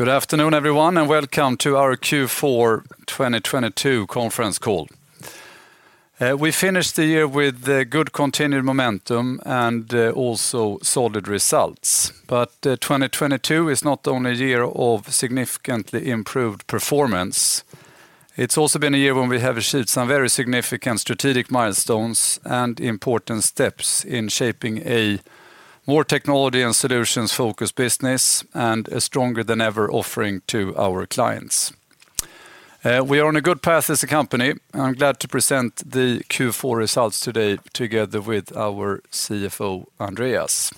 Good afternoon, everyone, welcome to our Q4 2022 Conference Call. We finished the year with a good continued momentum and also solid results. 2022 is not only a year of significantly improved performance, it's also been a year when we have achieved some very significant strategic milestones and important steps in shaping a more technology and solutions-focused business and a stronger than ever offering to our clients. We are on a good path as a company, and I'm glad to present the Q4 results today together with our CFO, Andreas.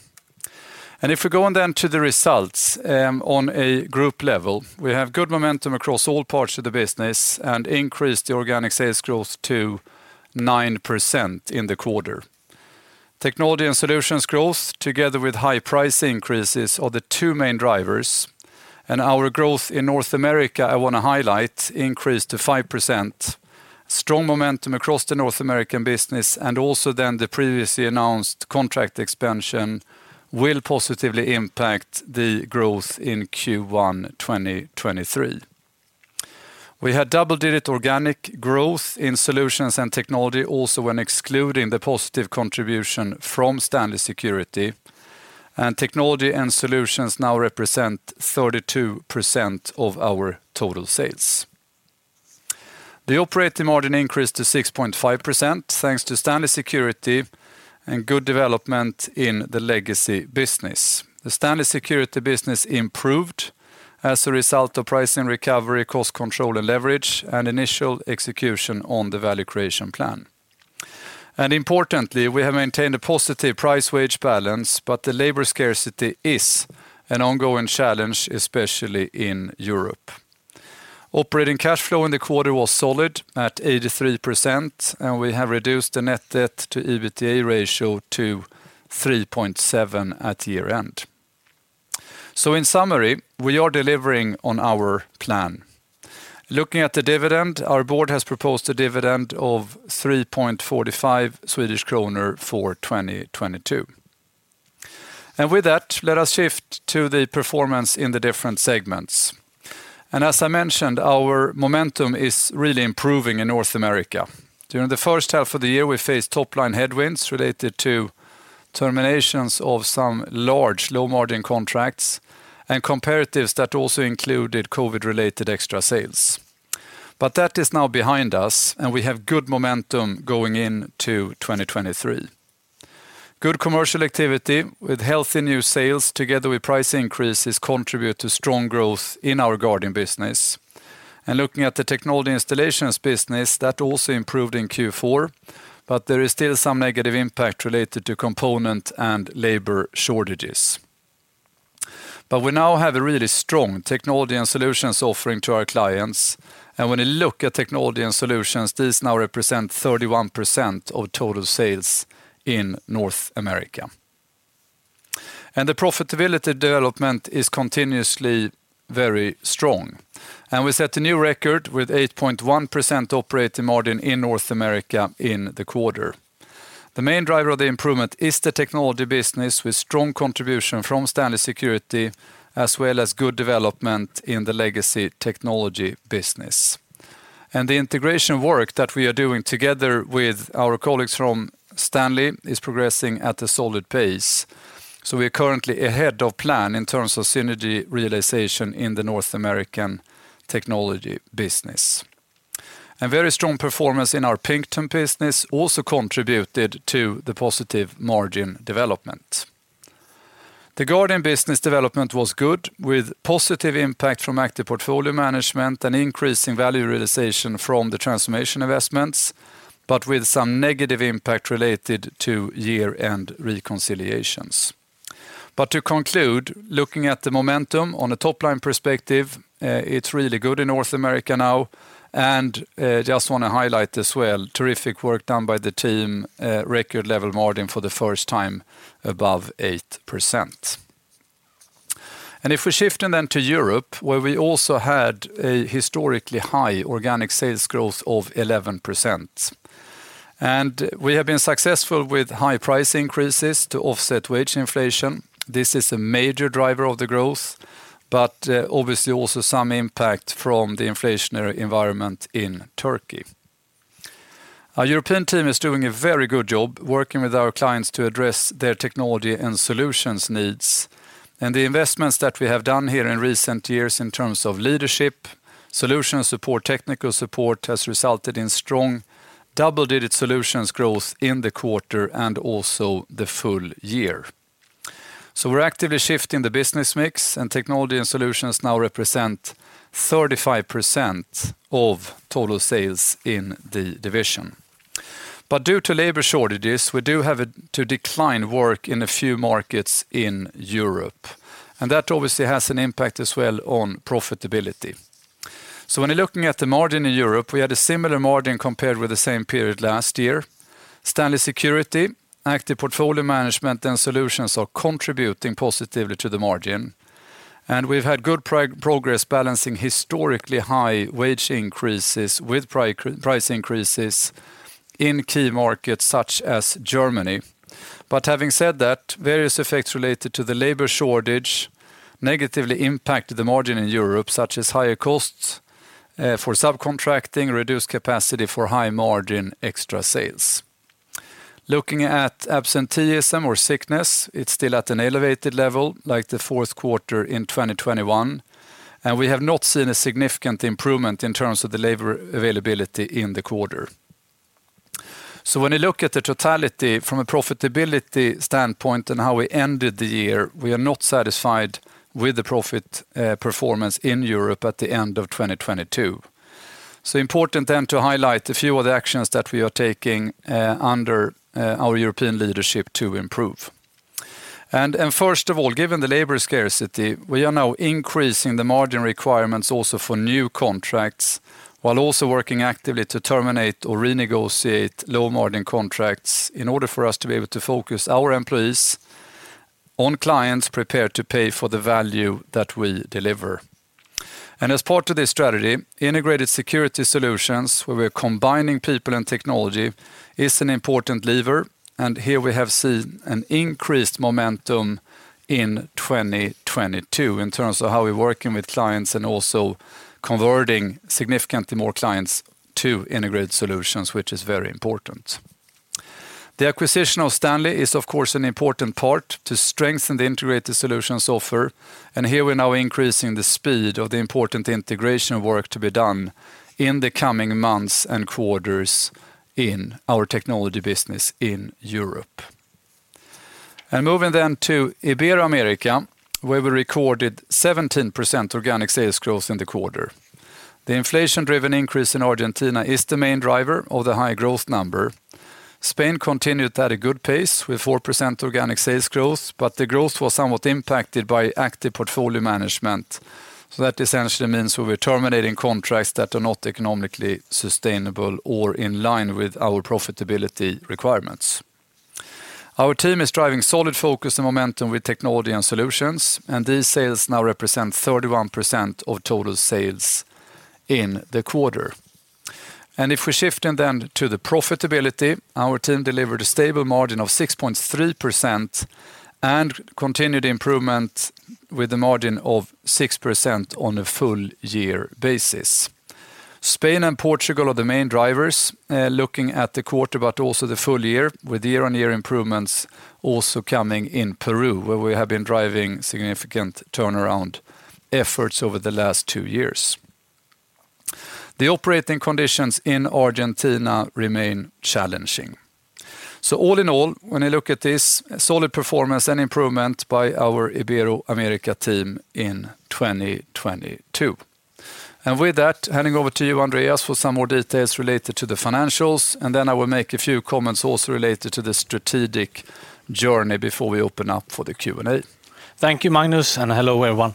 If we go on then to the results, on a group level, we have good momentum across all parts of the business and increased the organic sales growth to 9% in the quarter. Technology and solutions growth, together with high price increases, are the two main drivers. Our growth in North America, I wanna highlight, increased to 5%. Strong momentum across the North American business, and also then the previously announced contract expansion will positively impact the growth in Q1 2023. We had double-digit organic growth in solutions and technology also when excluding the positive contribution from Stanley Security. Technology and solutions now represent 32% of our total sales. The operating margin increased to 6.5% thanks to Stanley Security and good development in the legacy business. The Stanley Security business improved as a result of pricing recovery, cost control, and leverage, and initial execution on the value creation plan. Importantly, we have maintained a positive price-wage balance, but the labor scarcity is an ongoing challenge, especially in Europe. Operating cash flow in the quarter was solid at 83%, and we have reduced the net debt to EBITDA ratio to 3.7 at year-end. In summary, we are delivering on our plan. Looking at the dividend, our board has proposed a dividend of 3.45 Swedish kronor for 2022. With that, let us shift to the performance in the different segments. As I mentioned, our momentum is really improving in North America. During the first half of the year, we faced top-line headwinds related to terminations of some large low-margin contracts, and comparatives that also included COVID-related extra sales. That is now behind us, and we have good momentum going into 2023. Good commercial activity with healthy new sales together with price increases contribute to strong growth in our Guardian business. Looking at the technology installations business, that also improved in Q4, but there is still some negative impact related to component and labor shortages. We now have a really strong technology and solutions offering to our clients, and when you look at technology and solutions, these now represent 31% of total sales in North America. The profitability development is continuously very strong. We set a new record with 8.1% operating margin in North America in the quarter. The main driver of the improvement is the technology business with strong contribution from Stanley Security, as well as good development in the legacy technology business. The integration work that we are doing together with our colleagues from Stanley is progressing at a solid pace, so we are currently ahead of plan in terms of synergy realization in the North American technology business. A very strong performance in our Pinkerton business also contributed to the positive margin development. The Guardian business development was good, with positive impact from active portfolio management and increase in value realization from the transformation investments, but with some negative impact related to year-end reconciliations. To conclude, looking at the momentum on a top-line perspective, it's really good in North America now, just wanna highlight as well, terrific work done by the team, record level margin for the first time above 8%. If we're shifting then to Europe, where we also had a historically high organic sales growth of 11%. We have been successful with high price increases to offset wage inflation. This is a major driver of the growth, obviously also some impact from the inflationary environment in Turkey. Our European team is doing a very good job working with our clients to address their technology and solutions needs. The investments that we have done here in recent years in terms of leadership, solution support, technical support, has resulted in strong double-digit solutions growth in the quarter and also the full year. We're actively shifting the business mix, and technology and solutions now represent 35% of total sales in the division. Due to labor shortages, we do have to decline work in a few markets in Europe, and that obviously has an impact as well on profitability. When you're looking at the margin in Europe, we had a similar margin compared with the same period last year. Stanley Security, active portfolio management, and solutions are contributing positively to the margin. We've had good progress balancing historically high wage increases with price increases in key markets such as Germany. Having said that, various effects related to the labor shortage negatively impacted the margin in Europe, such as higher costs for subcontracting, reduced capacity for high margin extra sales. Looking at absenteeism or sickness, it's still at an elevated level like the fourth quarter in 2021, and we have not seen a significant improvement in terms of the labor availability in the quarter. When you look at the totality from a profitability standpoint and how we ended the year, we are not satisfied with the profit performance in Europe at the end of 2022. Important then to highlight a few of the actions that we are taking under our European leadership to improve. First of all, given the labor scarcity, we are now increasing the margin requirements also for new contracts while also working actively to terminate or renegotiate low-margin contracts in order for us to be able to focus our employees on clients prepared to pay for the value that we deliver. As part of this strategy, integrated security solutions, where we're combining people and technology, is an important lever, and here we have seen an increased momentum in 2022 in terms of how we're working with clients and also converting significantly more clients to integrated solutions, which is very important. The acquisition of Stanley is of course an important part to strengthen the integrated solutions offer, and here we're now increasing the speed of the important integration work to be done in the coming months and quarters in our technology business in Europe. Moving then to Ibero-America, where we recorded 17% organic sales growth in the quarter. The inflation-driven increase in Argentina is the main driver of the high growth number. Spain continued at a good pace with 4% organic sales growth, but the growth was somewhat impacted by active portfolio management. That essentially means we were terminating contracts that are not economically sustainable or in line with our profitability requirements. Our team is driving solid focus and momentum with technology and solutions, and these sales now represent 31% of total sales in the quarter. If we shift then to the profitability, our team delivered a stable margin of 6.3% and continued improvement with a margin of 6% on a full year basis. Spain and Portugal are the main drivers, looking at the quarter, but also the full year with year-on-year improvements also coming in Peru, where we have been driving significant turnaround efforts over the last two years. The operating conditions in Argentina remain challenging. All in all, when you look at this, solid performance and improvement by our Ibero-America team in 2022. With that, handing over to you, Andreas, for some more details related to the financials. I will make a few comments also related to the strategic journey before we open up for the Q&A. Thank you, Magnus, and hello, everyone.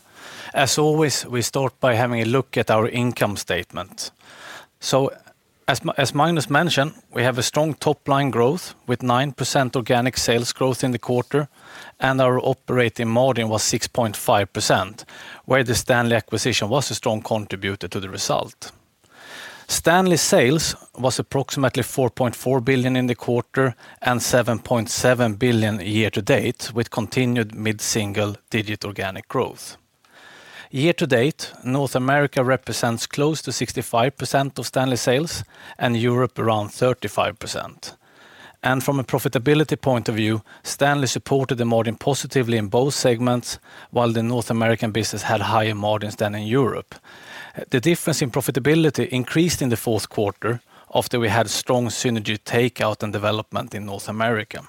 As always, we start by having a look at our income statement. As Magnus mentioned, we have a strong top-line growth with 9% organic sales growth in the quarter, and our operating margin was 6.5%, where the Stanley acquisition was a strong contributor to the result. Stanley sales was approximately $4.4 billion in the quarter and $7.7 billion year to date with continued mid-single digit organic growth. Year to date, North America represents close to 65% of Stanley sales and Europe around 35%. From a profitability point of view, Stanley supported the margin positively in both segments, while the North American business had higher margins than in Europe. The difference in profitability increased in the fourth quarter after we had strong synergy takeout and development in North America.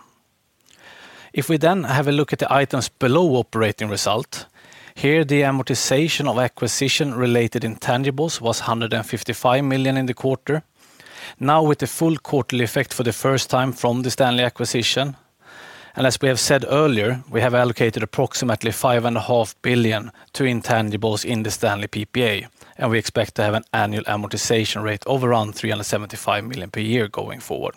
If we have a look at the items below operating result, here the amortization of acquisition-related intangibles was 155 million in the quarter. Now with the full quarterly effect for the first time from the Stanley acquisition, as we have said earlier, we have allocated aproximately 5.5 billion to intangibles in the Stanley PPA, we expect to have an annual amortization rate of around 375 million per year going forward.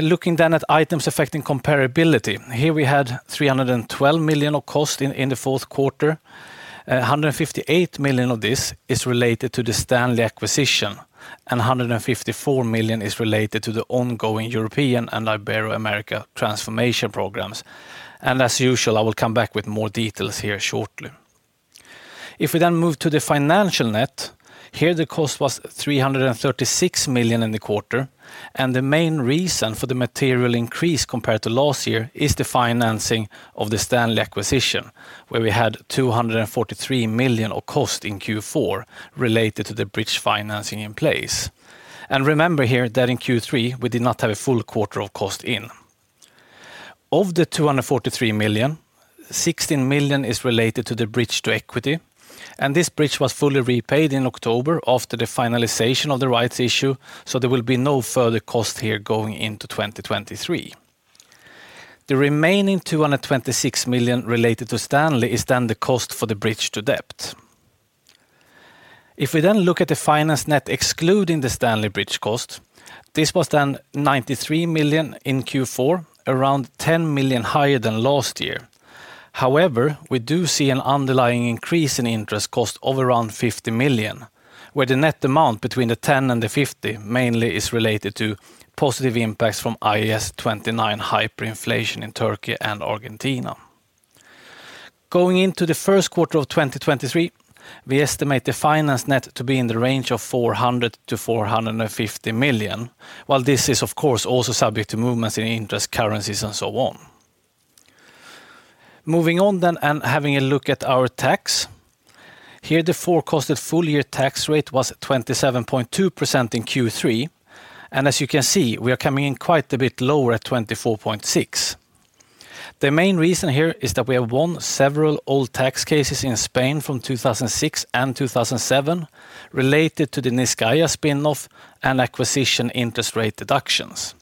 Looking at items affecting comparability. Here we had 312 million of cost in the fourth quarter. 158 million of this is related to the Stanley acquisition, 154 million is related to the ongoing European and Ibero-America transformation programs. As usual, I will come back with more details here shortly. We then move to the financial net. Here the cost was 336 million in the quarter. The main reason for the material increase compared to last year is the financing of the Stanley acquisition, where we had 243 million of cost in Q4 related to the bridge financing in place. Remember here that in Q3, we did not have a full quarter of cost in. Of the 243 million, 16 million is related to the bridge to equity, and this bridge was fully repaid in October after the finalization of the rights issue. There will be no further cost here going into 2023. The remaining 226 million related to Stanley is the cost for the bridge to debt. If we look at the finance net excluding the Stanley bridge cost, this was then 93 million in Q4, around 10 million higher than last year. However, we do see an underlying increase in interest cost of around 50 million. Where the net amount between the 10 million and the 50 million mainly is related to positive impacts from IAS 29 hyperinflation in Turkey and Argentina. Going into the first quarter of 2023, we estimate the finance net to be in the range of 400 million-450 million, while this is of course, also subject to movements in interest currencies and so on. Moving on, having a look at our tax. Here, the forecasted full year tax rate was 27.2% in Q3. As you can see, we are coming in quite a bit lower at 24.6%. The main reason here is that we have won several old tax cases in Spain from 2006 and 2007 related to the Niscayah spin-off and acquisition interest rate deductions.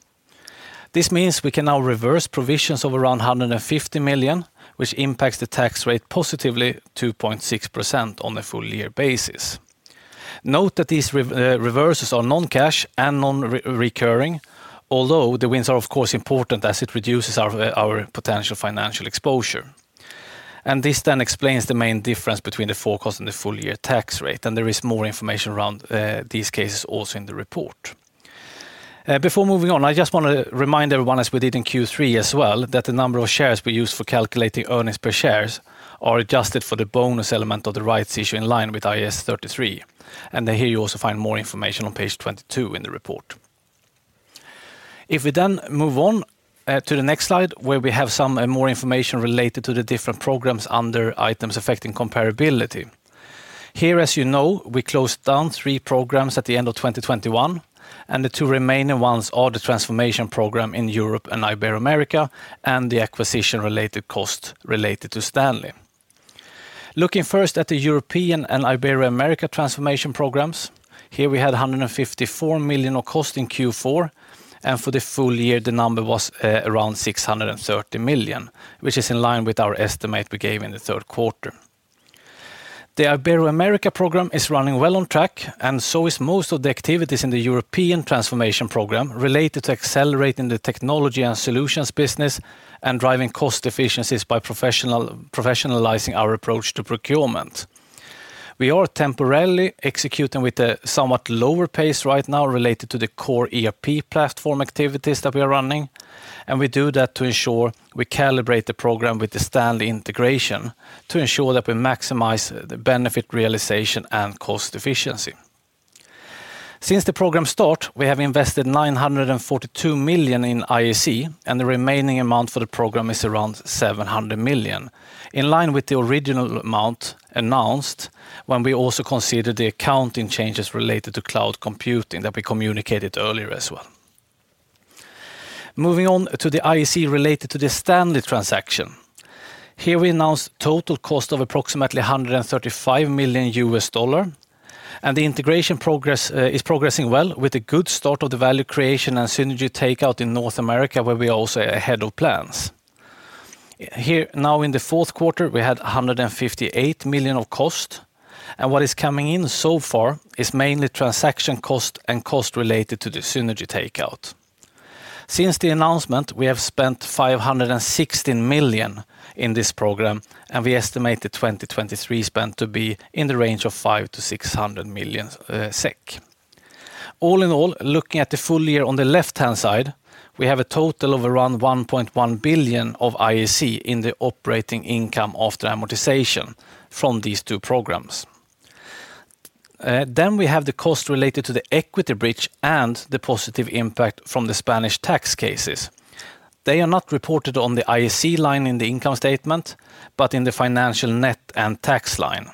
This means we can now reverse provisions of around 150 million, which impacts the tax rate positively 2.6% on a full year basis. Note that these reverses are non-cash and non-recurring, although the wins are of course important as it reduces our potential financial exposure. This then explains the main difference between the forecast and the full year tax rate. There is more information around these cases also in the report. Before moving on, I just wanna remind everyone, as we did in Q3 as well, that the number of shares we use for calculating earnings per share are adjusted for the bonus element of the rights issue in line with IAS 33. Here you also find more information on page 22 in the report. If we move on to the next slide, where we have some more information related to the different programs under items affecting comparability. Here, as you know, we closed down three programs at the end of 2021, and the two remaining ones are the transformation program in Europe and Ibero-America, and the acquisition-related cost related to Stanley. Looking first at the European and Ibero-America transformation programs. Here we had 154 million of cost in Q4. For the full year the number was around 630 million, which is in line with our estimate we gave in the third quarter. The Ibero-America program is running well on track. So is most of the activities in the European transformation program related to accelerating the technology and solutions business and driving cost efficiencies by professionalizing our approach to procurement. We are temporarily executing with a somewhat lower pace right now related to the core ERP platform activities that we are running. We do that to ensure we calibrate the program with the Stanley integration to ensure that we maximize the benefit realization and cost efficiency. Since the program start, we have invested $942 million in IAC. The remaining amount for the program is around $700 million. In line with the original amount announced when we also considered the accounting changes related to cloud computing that we communicated earlier as well. Moving on to the IAC related to the Stanley Security transaction. Here we announced total cost of approximately $135 million. The integration progress is progressing well with the good start of the value creation and synergy takeout in North America, where we are also ahead of plans. Here, now in the fourth quarter, we had $158 million of cost. What is coming in so far is mainly transaction cost and cost related to the synergy takeout. Since the announcement, we have spent 516 million in this program, and we estimate the 2023 spend to be in the range of 500 million-600 million SEK. All in all, looking at the full year on the left-hand side, we have a total of around 1.1 billion of IAC in the operating income after amortization from these two programs. We have the cost related to the equity bridge and the positive impact from the Spanish tax cases. They are not reported on the IAC line in the income statement, but in the financial net and tax line.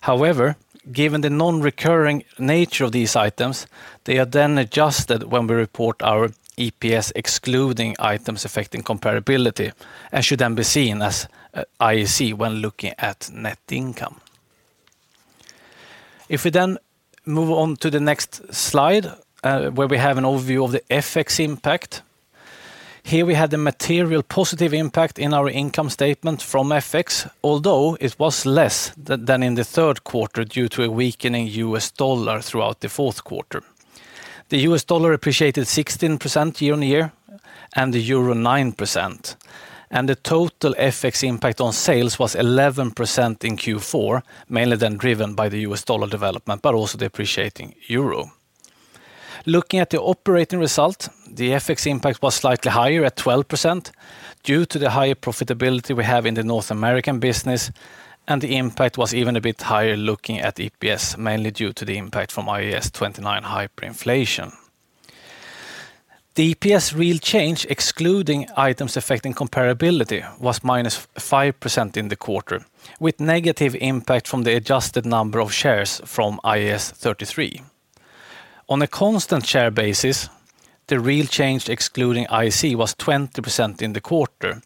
However, given the non-recurring nature of these items, they are then adjusted when we report our EPS excluding items affecting comparability and should then be seen as IAC when looking at net income. If we move on to the next slide, where we have an overview of the FX impact. Here we had the material positive impact in our income statement from FX, although it was less than in the third quarter due to a weakening U.S. dollar throughout the fourth quarter. The U.S. dollar appreciated 16% year on year and the euro 9%. The total FX impact on sales was 11% in Q4, mainly then driven by the U.S. dollar development, but also the appreciating euro. Looking at the operating result, the FX impact was slightly higher at 12% due to the higher profitability we have in the North American business. The impact was even a bit higher looking at EPS, mainly due to the impact from IAS 29 hyperinflation. The EPS real change, excluding items affecting comparability, was -5% in the quarter, with negative impact from the adjusted number of shares from IAS 33. On a constant share basis, the real change excluding IAC was 20% in the quarter,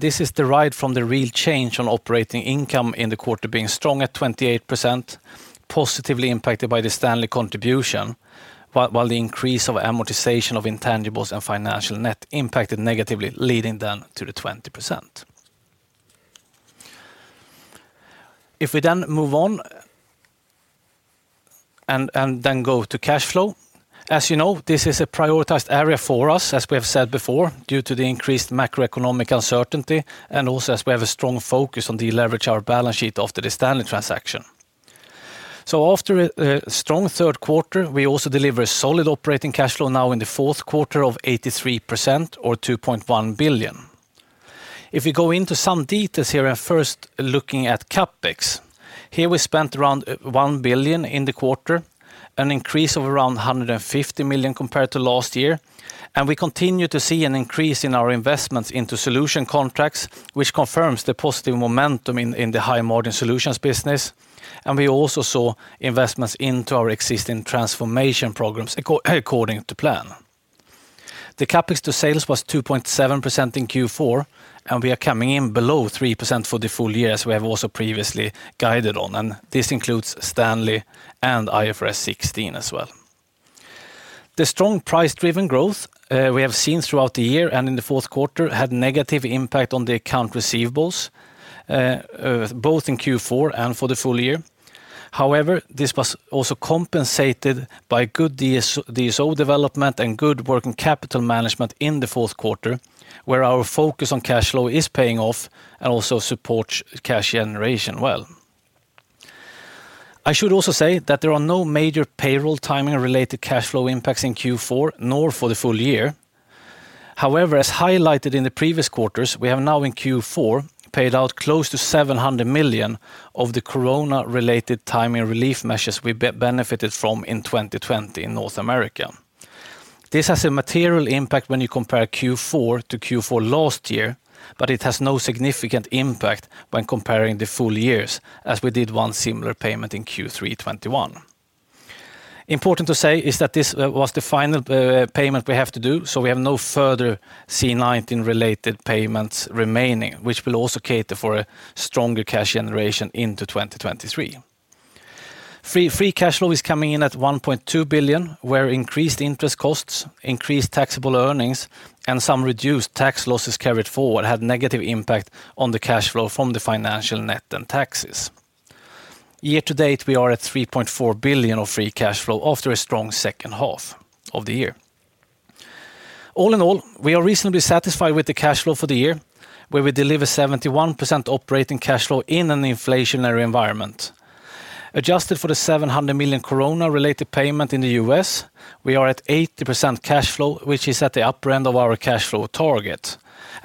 this is derived from the real change on operating income in the quarter being strong at 28%, positively impacted by the Stanley contribution, while the increase of amortization of intangibles and financial net impacted negatively, leading then to the 20%. If we then move on and then go to cash flow. As you know, this is a prioritized area for us, as we have said before, due to the increased macroeconomic uncertainty and also as we have a strong focus on deleverage our balance sheet after the Stanley transaction. After a strong third quarter, we also deliver solid operating cash flow now in the fourth quarter of 83% or 2.1 billion. If you go into some details here, first looking at CapEx. Here we spent around 1 billion in the quarter, an increase of around 150 million compared to last year. We continue to see an increase in our investments into solution contracts, which confirms the positive momentum in the high-margin solutions business. We also saw investments into our existing transformation programs according to plan. The CapEx to sales was 2.7% in Q4, we are coming in below 3% for the full year, as we have also previously guided on. This includes Stanley and IFRS 16 as well. The strong price-driven growth we have seen throughout the year and in the fourth quarter had negative impact on the account receivables both in Q4 and for the full year. However, this was also compensated by good DSO development and good working capital management in the fourth quarter, where our focus on cash flow is paying off and also supports cash generation well. I should also say that there are no major payroll timing related cash flow impacts in Q4 nor for the full year. However, as highlighted in the previous quarters, we have now in Q4 paid out close to 700 million of the corona-related timing relief measures we benefited from in 2020 in North America. This has a material impact when you compare Q4 to Q4 last year, but it has no significant impact when comparing the full years as we did one similar payment in Q3 2021. Important to say is that this was the final payment we have to do, so we have no further C-19 related payments remaining, which will also cater for a stronger cash generation into 2023. Free cash flow is coming in at 1.2 billion, where increased interest costs, increased taxable earnings, and some reduced tax losses carried forward had negative impact on the cash flow from the financial net and taxes. Year to date, we are at 3.4 billion of free cash flow after a strong second half of the year. All in all, we are reasonably satisfied with the cash flow for the year, where we deliver 71% operating cash flow in an inflationary environment. Adjusted for the 700 million corona-related payment in the U.S., we are at 80% cash flow, which is at the upper end of our cash flow target.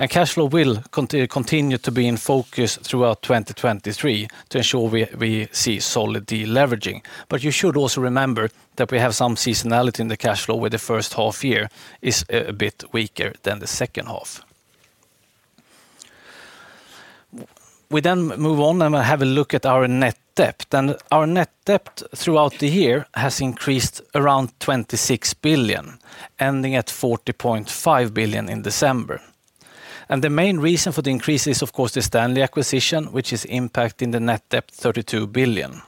Cash flow will continue to be in focus throughout 2023 to ensure we see solid deleveraging. You should also remember that we have some seasonality in the cash flow, where the first half year is a bit weaker than the second half. We then move on and have a look at our net debt. Our net debt throughout the year has increased around 26 billion, ending at 40.5 billion in December. The main reason for the increase is, of course, the Stanley acquisition, which is impacting the net debt 32 billion.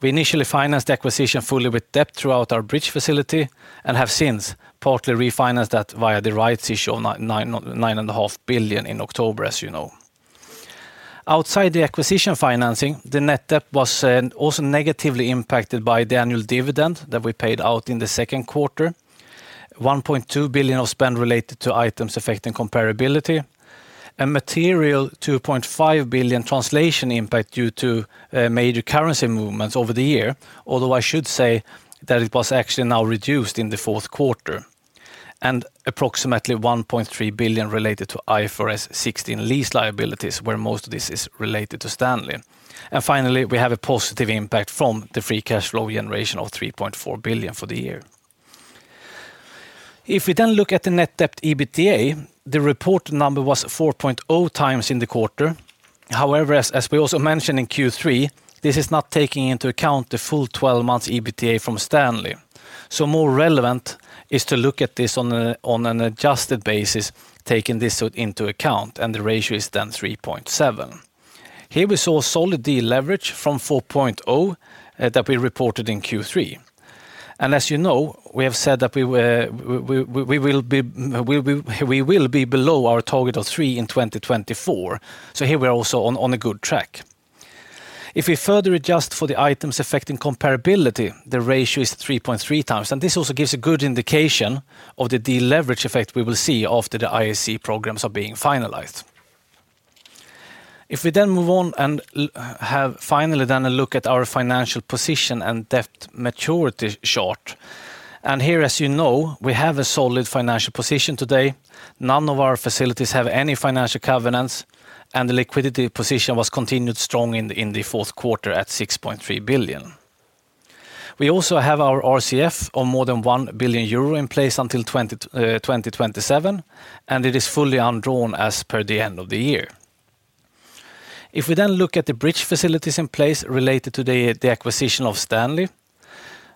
We initially financed the acquisition fully with debt throughout our bridge facility and have since partly refinanced that via the rights issue of 9.5 billion in October, as you know. Outside the acquisition financing, the net debt was also negatively impacted by the annual dividend that we paid out in the second quarter, 1.2 billion of spend related to items affecting comparability, and material 2.5 billion translation impact due to major currency movements over the year. Although I should say that it was actually now reduced in the fourth quarter. Approximately 1.3 billion related to IFRS 16 lease liabilities, where most of this is related to Stanley. Finally, we have a positive impact from the free cash flow generation of 3.4 billion for the year. The net debt EBITDA, the reported number was 4.0x in the quarter. As we also mentioned in Q3, this is not taking into account the full 12 months EBITDA from Stanley. More relevant is to look at this on an adjusted basis, taking this into account, and the ratio is then 3.7. Here we saw solid deleverage from 4.0 that we reported in Q3. As you know, we have said that we will be below our target of htree in 2024. Here we are also on a good track. We further adjust for the items affecting comparability, the ratio is 3.3x. This also gives a good indication of the deleverage effect we will see after the IAC programs are being finalized. We have finally done a look at our financial position and debt maturity chart. Here, as you know, we have a solid financial position today. None of our facilities have any financial covenants. The liquidity position was continued strong in the fourth quarter at 6.3 billion. We also have our RCF of more than 1 billion euro in place until 2027. It is fully undrawn as per the end of the year. If we look at the bridge facilities in place related to the acquisition of Stanley,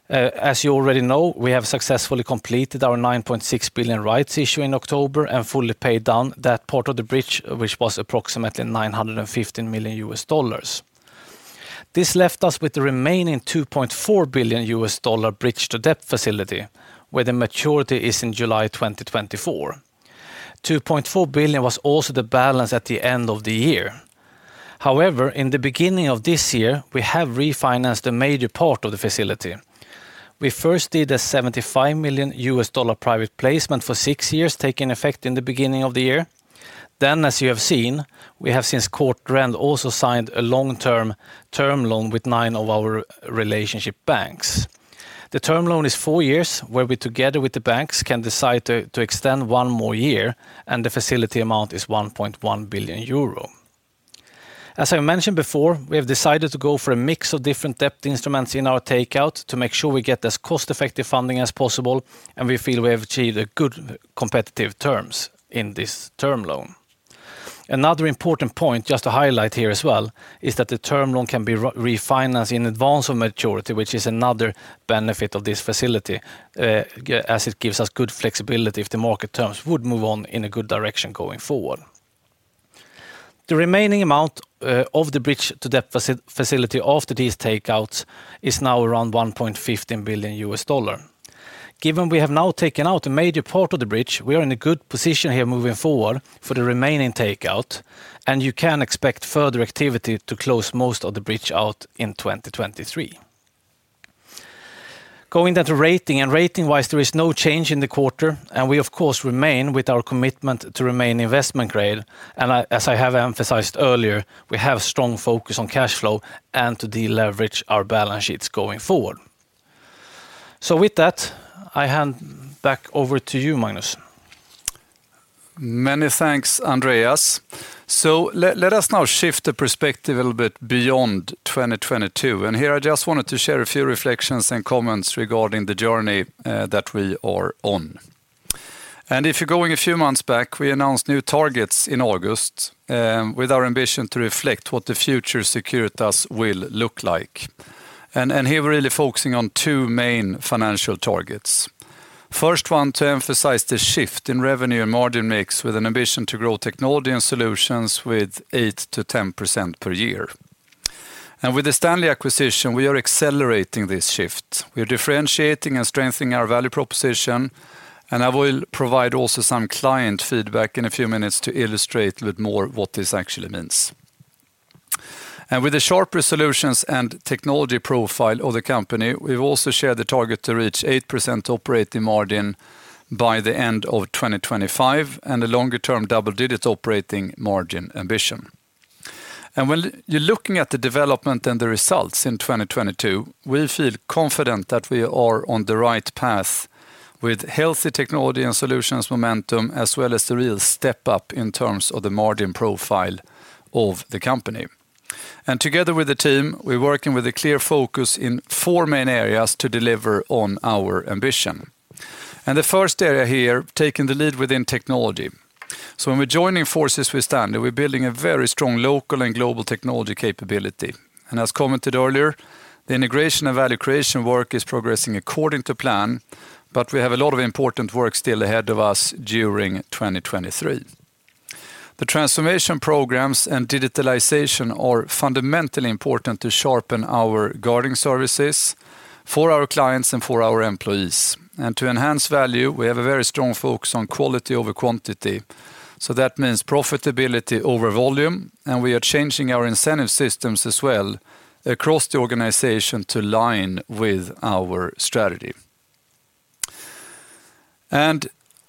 as you already know, we have successfully completed our $9.6 billion rights issue in October and fully paid down that part of the bridge which was approximately $915 million. This left us with the remaining $2.4 billion bridge to debt facility, where the maturity is in July 2024. $2.4 billion was also the balance at the end of the year. However, in the beginning of this year, we have refinanced a major part of the facility. We first did a $75 million private placement for six years, taking effect in the beginning of the year. As you have seen, we have since quarter end also signed a long-term term loan with nine of our relationship banks. The term loan is four years where we, together with the banks, can decide to extend one more year. The facility amount is 1.1 billion euro. As I mentioned before, we have decided to go for a mix of different debt instruments in our takeout to make sure we get as cost-effective funding as possible, and we feel we have achieved good competitive terms in this term loan. Another important point just to highlight here as well is that the term loan can be refinanced in advance of maturity, which is another benefit of this facility, as it gives us good flexibility if the market terms would move on in a good direction going forward. The remaining amount of the bridge to debt facility after these takeouts is now around $1.15 billion. Given we have now taken out a major part of the bridge, we are in a good position here moving forward for the remaining takeout. You can expect further activity to close most of the bridge out in 2023. Going down to rating and rating-wise, there is no change in the quarter. We of course remain with our commitment to remain investment grade. I, as I have emphasized earlier, we have strong focus on cash flow and to deleverage our balance sheets going forward. With that, I hand back over to you, Magnus. Many thanks, Andreas. Let us now shift the company. Together with the team, we're working with a clear focus in four main areas to deliver on our ambition. The first area here, taking the lead within technology. When we're joining forces with Stanley, we're building a very strong local and global technology capability. As commented earlier, the integration and value creation work is progressing according to plan, but we have a lot of important work still ahead of us during 2023. The transformation programs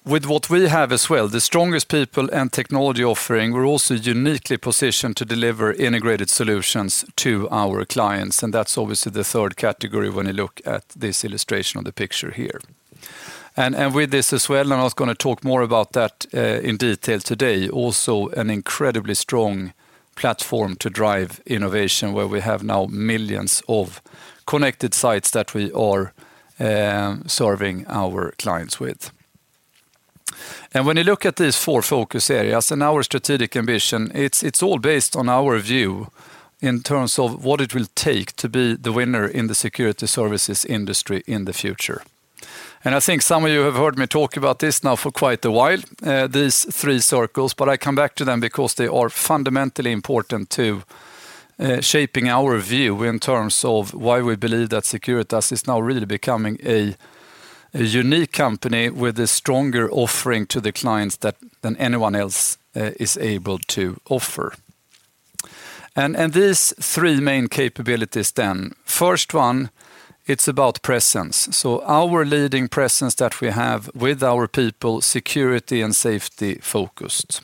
unique company with a stronger offering to the clients than anyone else is able to offer. These three main capabilities then. First one, it's about presence. Our leading presence that we have with our people, security and safety-focused.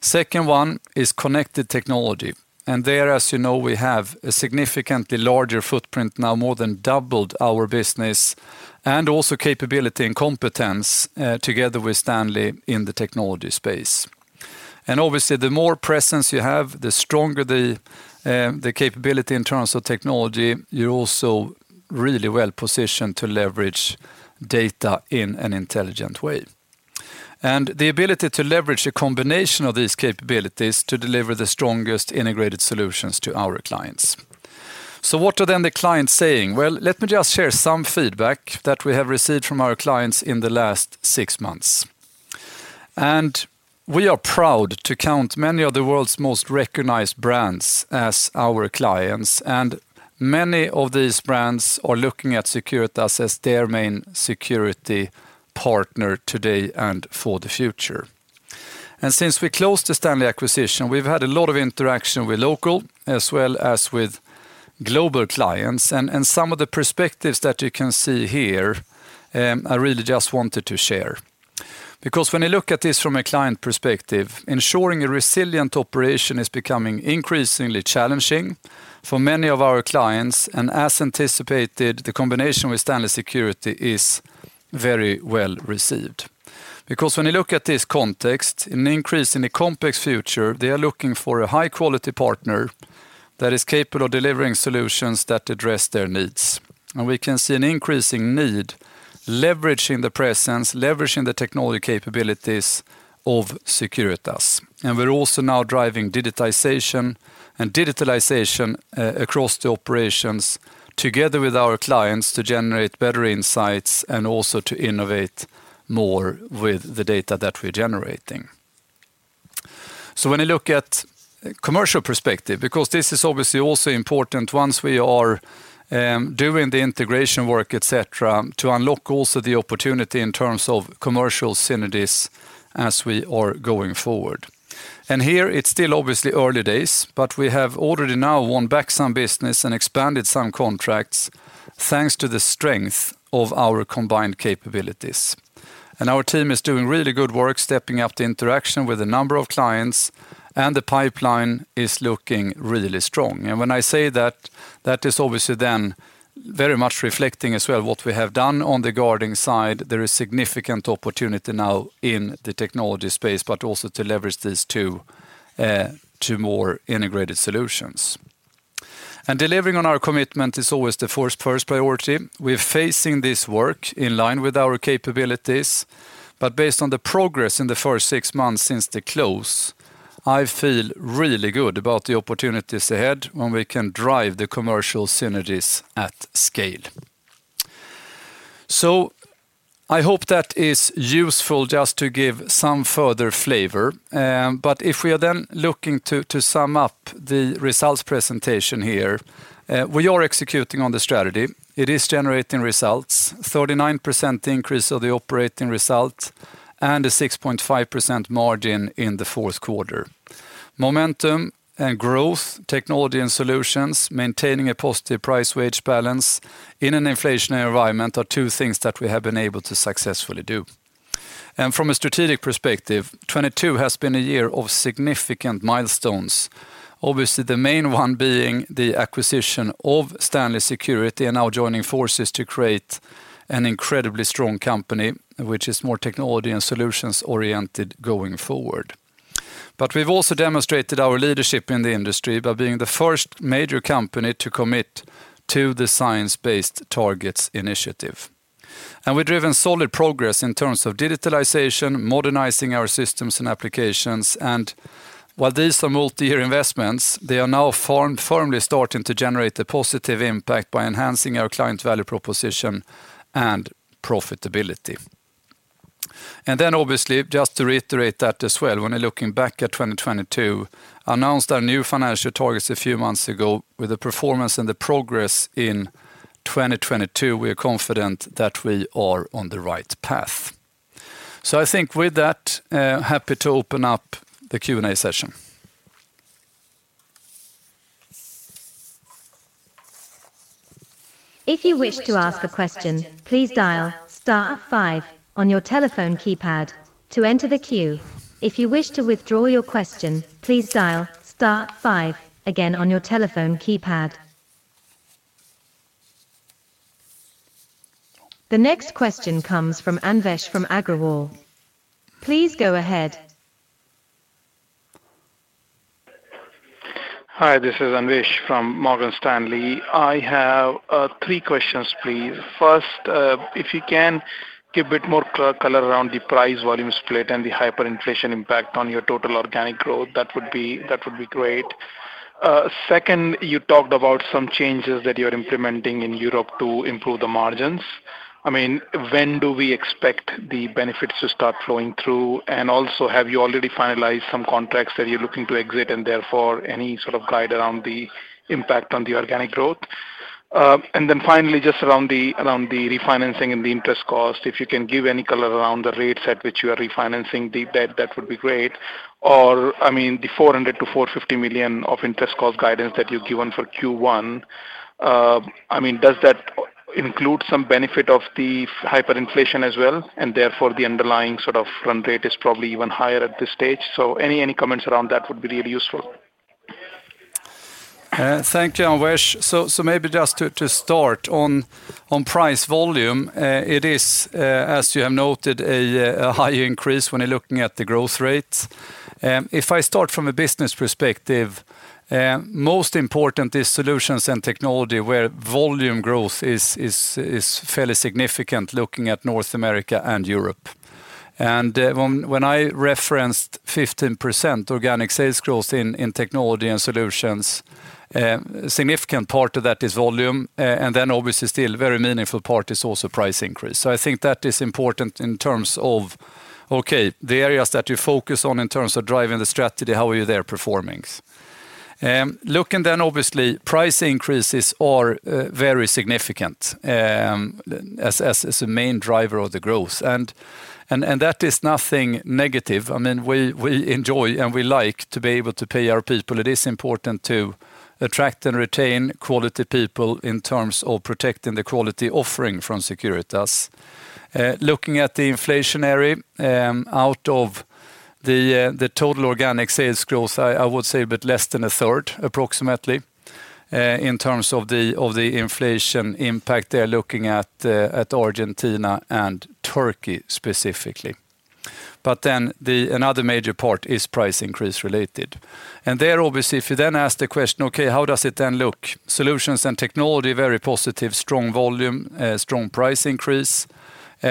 Second one is connected technology. There, as you know, we have a significantly larger footprint now, more than doubled our business, and also capability and competence, together with Stanley in the technology space. Obviously the more presence you have, the stronger the capability in terms of technology. You're also really well-positioned to leverage data in an intelligent way. The ability to leverage a combination of these capabilities to deliver the strongest integrated solutions to our clients. What are then the clients saying? Let me just share some feedback that we have received from our clients in the last six months. We are proud to count many of the world's most recognized brands as our clients. Many of these brands are looking at Securitas as their main security partner today and for the future. Since we closed the Stanley acquisition, we've had a lot of interaction with local as well as with global clients. Some of the perspectives that you can see here, I really just wanted to share. Because when you look at this from a client perspective, ensuring a resilient operation is becoming increasingly challenging for many of our clients, and as anticipated, the combination with Stanley Security is very well received. Because when you look at this context, in an increasingly complex future, they are looking for a high quality partner that is capable of delivering solutions that address their needs. We can see an increasing need leveraging the presence, leveraging the technology capabilities of Securitas. We're also now driving digitization and digitalization across the operations together with our clients to generate better insights and also to innovate more with the data that we're generating. When you look at commercial perspective, because this is obviously also important once we are doing the integration work, et cetera, to unlock also the opportunity in terms of commercial synergies as we are going forward. Here it's still obviously early days, but we have already now won back some business and expanded some contracts thanks to the strength of our combined capabilities. Our team is doing really good work stepping up the interaction with a number of clients, and the pipeline is looking really strong. When I say that is obviously then very much reflecting as well what we have done on the guarding side. There is significant opportunity now in the technology space, but also to leverage these two to more integrated solutions. Delivering on our commitment is always the first priority. We're facing this work in line with our capabilities, but based on the progress in the first six months since the close, I feel really good about the opportunities ahead when we can drive the commercial synergies at scale. I hope that is useful just to give some further flavor. If we are then looking to sum up the results presentation here, we are executing on the strategy. It is generating results, 39% increase of the operating result and a 6.5% margin in the fourth quarter. Momentum and growth, technology and solutions, maintaining a positive price wage balance in an inflationary environment are two things that we have been able to successfully do. From a strategic perspective, 2022 has been a year of significant milestones. Obviously, the main one being the acquisition of Stanley Security and now joining forces to create an incredibly strong company, which is more technology and solutions oriented going forward. We've also demonstrated our leadership in the industry by being the first major company to commit to the Science Based Targets initiative. We've driven solid progress in terms of digitalization, modernizing our systems and applications. While these are multi-year investments, they are now firmly starting to generate a positive impact by enhancing our client value proposition and profitability. Obviously, just to reiterate that as well, when you're looking back at 2022, announced our new financial targets a few months ago with the performance and the progress in 2022, we are confident that we are on the right path. I think with that, happy to open up the Q&A session. If you wish to ask a question, please dial star five on your telephone keypad to enter the queue. If you wish to withdraw your question, please dial star five again on your telephone keypad. The next question comes from Anvesh Agrawal. Please go ahead. Hi, this is Anvesh from Morgan Stanley. I have three questions, please. First, if you can give a bit more color around the price volume split and the hyperinflation impact on your total organic growth, that would be great. Second, you talked about some changes that you're implementing in Europe to improve the margins. I mean, when do we expect the benefits to start flowing through? Also, have you already finalized some contracts that you're looking to exit, and therefore any sort of guide around the impact on the organic growth? Finally, just around the refinancing and the interest cost, if you can give any color around the rates at which you are refinancing the debt, that would be great. I mean, the 400 million-450 million of interest cost guidance that you've given for Q1, I mean, does that include some benefit of the hyperinflation as well, and therefore the underlying sort of run rate is probably even higher at this stage? Any, any comments around that would be really useful? Thank you, Anvesh. Maybe just to start on price volume, it is as you have noted, a higher increase when you're looking at the growth rates. If I start from a business perspective, most important is solutions and technology where volume growth is fairly significant looking at North America and Europe. When I referenced 15% organic sales growth in technology and solutions, significant part of that is volume. Obviously still very meaningful part is also price increase. I think that is important in terms of, okay, the areas that you focus on in terms of driving the strategy, how are you there performing? Look obviously price increases are very significant as a main driver of the growth. That is nothing negative. I mean, we enjoy and we like to be able to pay our people. It is important to attract and retain quality people in terms of protecting the quality offering from Securitas. Looking at the inflationary out of the total organic sales growth, I would say a bit less than a third approximately in terms of the inflation impact. They are looking at Argentina and Turkey specifically. Another major part is price increase related. There obviously, if you then ask the question, okay, how does it then look? Solutions and technology, very positive, strong volume, strong price increase.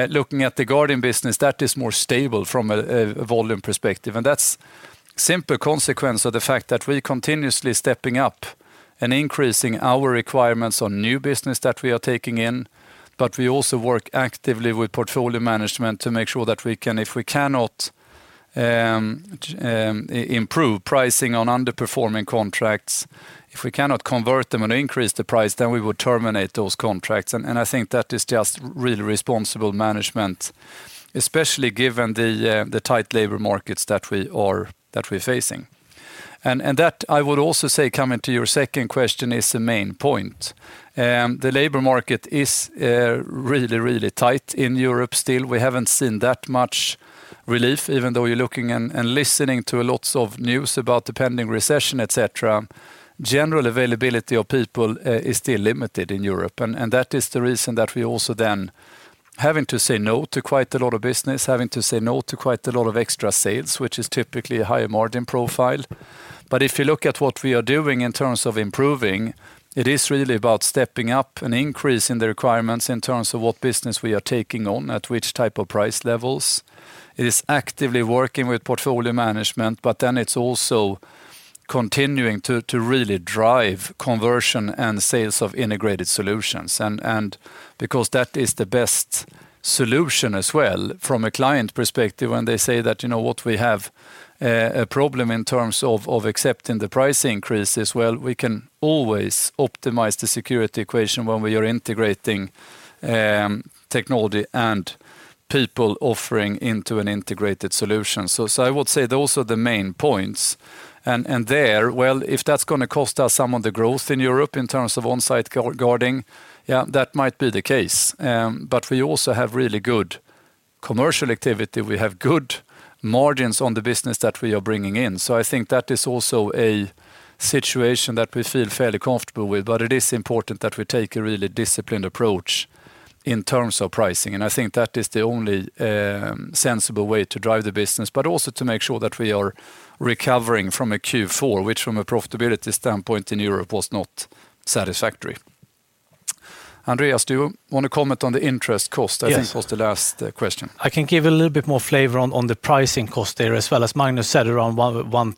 Looking at the guarding business, that is more stable from a volume perspective, and that's simple consequence of the fact that we continuously stepping up and increasing our requirements on new business that we are taking in. We also work actively with portfolio management to make sure that we can. If we cannot improve pricing on underperforming contracts, if we cannot convert them and increase the price, then we would terminate those contracts. I think that is just really responsible management, especially given the tight labor markets that we're facing. That I would also say, coming to your second question, is the main point. The labor market is really, really tight in Europe still. We haven't seen that much relief even though you're looking and listening to lots of news about the pending recession, et cetera. General availability of people is still limited in Europe. That is the reason that we also having to say no to quite a lot of business, having to say no to quite a lot of extra sales, which is typically a higher margin profile. If you look at what we are doing in terms of improving, it is really about stepping up and increasing the requirements in terms of what business we are taking on at which type of price levels. It is actively working with portfolio management, it's also continuing to really drive conversion and sales of integrated solutions. Because that is the best solution as well from a client perspective, when they say that, "You know what, we have a problem in terms of accepting the price increases," well, we can always optimize the security equation when we are integrating technology and people offering into an integrated solution. I would say those are the main points. There, well, if that's gonna cost us some of the growth in Europe in terms of on-site guarding, yeah, that might be the case. We also have really good commercial activity. We have good margins on the business that we are bringing in. I think that is also a situation that we feel fairly comfortable with. It is important that we take a really disciplined approach in terms of pricing, and I think that is the only sensible way to drive the business, but also to make sure that we are recovering from a Q4, which from a profitability standpoint in Europe was not satisfactory. Andreas, do you want to comment on the interest cost? Yes. I think it was the last question. I can give a little bit more flavor on the pricing cost there as well. As Magnus said, around one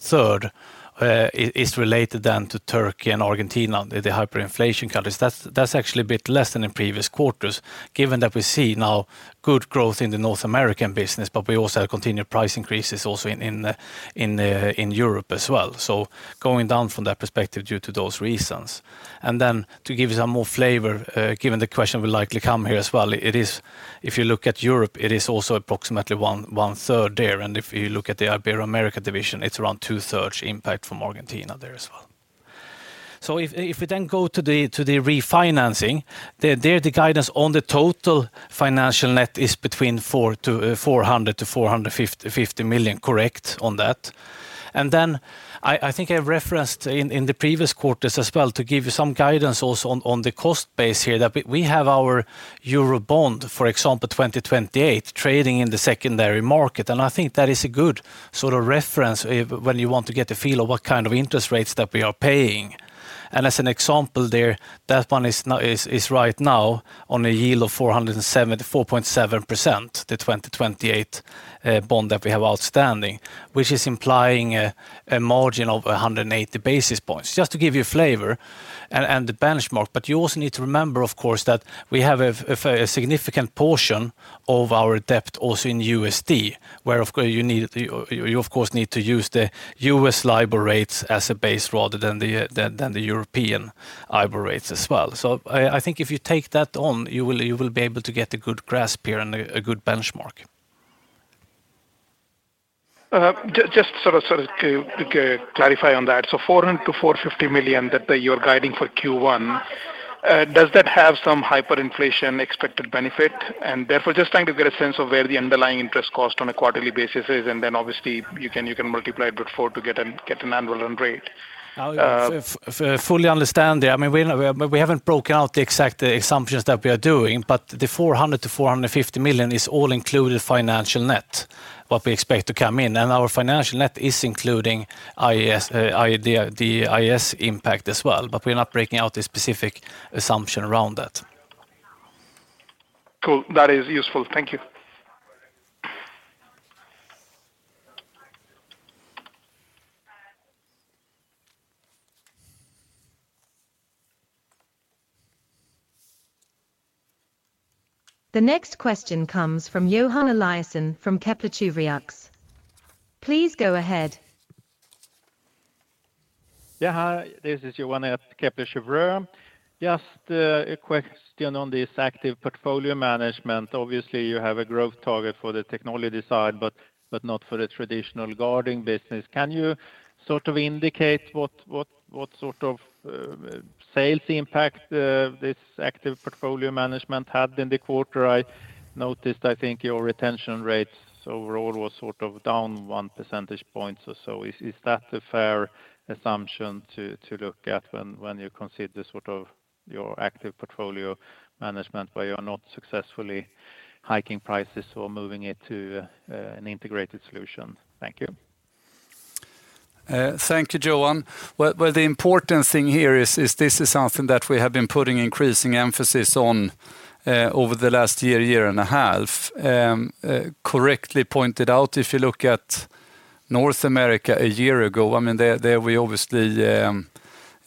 third is related then to Turkey and Argentina, the hyperinflation countries. That's actually a bit less than in previous quarters, given that we see now good growth in the North American business, but we also have continued price increases also in Europe as well. Going down from that perspective due to those reasons. Then to give you some more flavor, given the question will likely come here as well, it is, if you look at Europe, it is also approximately one third there. If you look at the Ibero-America division, it's around two thirds impact from Argentina there as well. If we then go to the refinancing, the guidance on the total financial net is between 400 million-450 million. Correct on that. I think I referenced in the previous quarters as well to give you some guidance also on the cost base here, that we have our Eurobond, for example, 2028 trading in the secondary market, and I think that is a good sort of reference when you want to get a feel of what kind of interest rates that we are paying. As an example there, that one is right now on a yield of 4.7%, the 2028 bond that we have outstanding, which is implying a margin of 180 basis points, just to give you a flavor and the benchmark. You also need to remember of course that we have a significant portion of our debt also in USD, where of course you of course need to use the US LIBOR rates as a base rather than the EURIBOR rates as well. I think if you take that on, you will be able to get a good grasp here and a good benchmark. Just sort of to clarify on that. 400 million-450 million that you're guiding for Q1, does that have some hyperinflation expected benefit? Therefore just trying to get a sense of where the underlying interest cost on a quarterly basis is, and then obviously you can multiply it with four to get an annual run rate. I fully understand that. I mean, we haven't broken out the exact assumptions that we are doing, but the 400 million-450 million is all included financial net, what we expect to come in. Our financial net is including the IAS impact as well. We are not breaking out the specific assumption around that. Cool. That is useful. Thank you. The next question comes from Johan Eliason from Kepler Cheuvreux. Please go ahead. Yeah, hi. This is Johan at Kepler Cheuvreux. Just a question on this active portfolio management. Obviously, you have a growth target for the technology side, but not for the traditional guarding business. Can you sort of indicate what sort of sales impact this active portfolio management had in the quarter? I noticed, I think your retention rates overall was sort of down one percentage point or so. Is that a fair assumption to look at when you consider the sort of your active portfolio management where you're not successfully hiking prices or moving it to an integrated solution? Thank you. Thank you, Johan. The important thing here is this is something that we have been putting increasing emphasis on over the last year and a half. Correctly pointed out, if you look at North America a year ago, I mean, there we obviously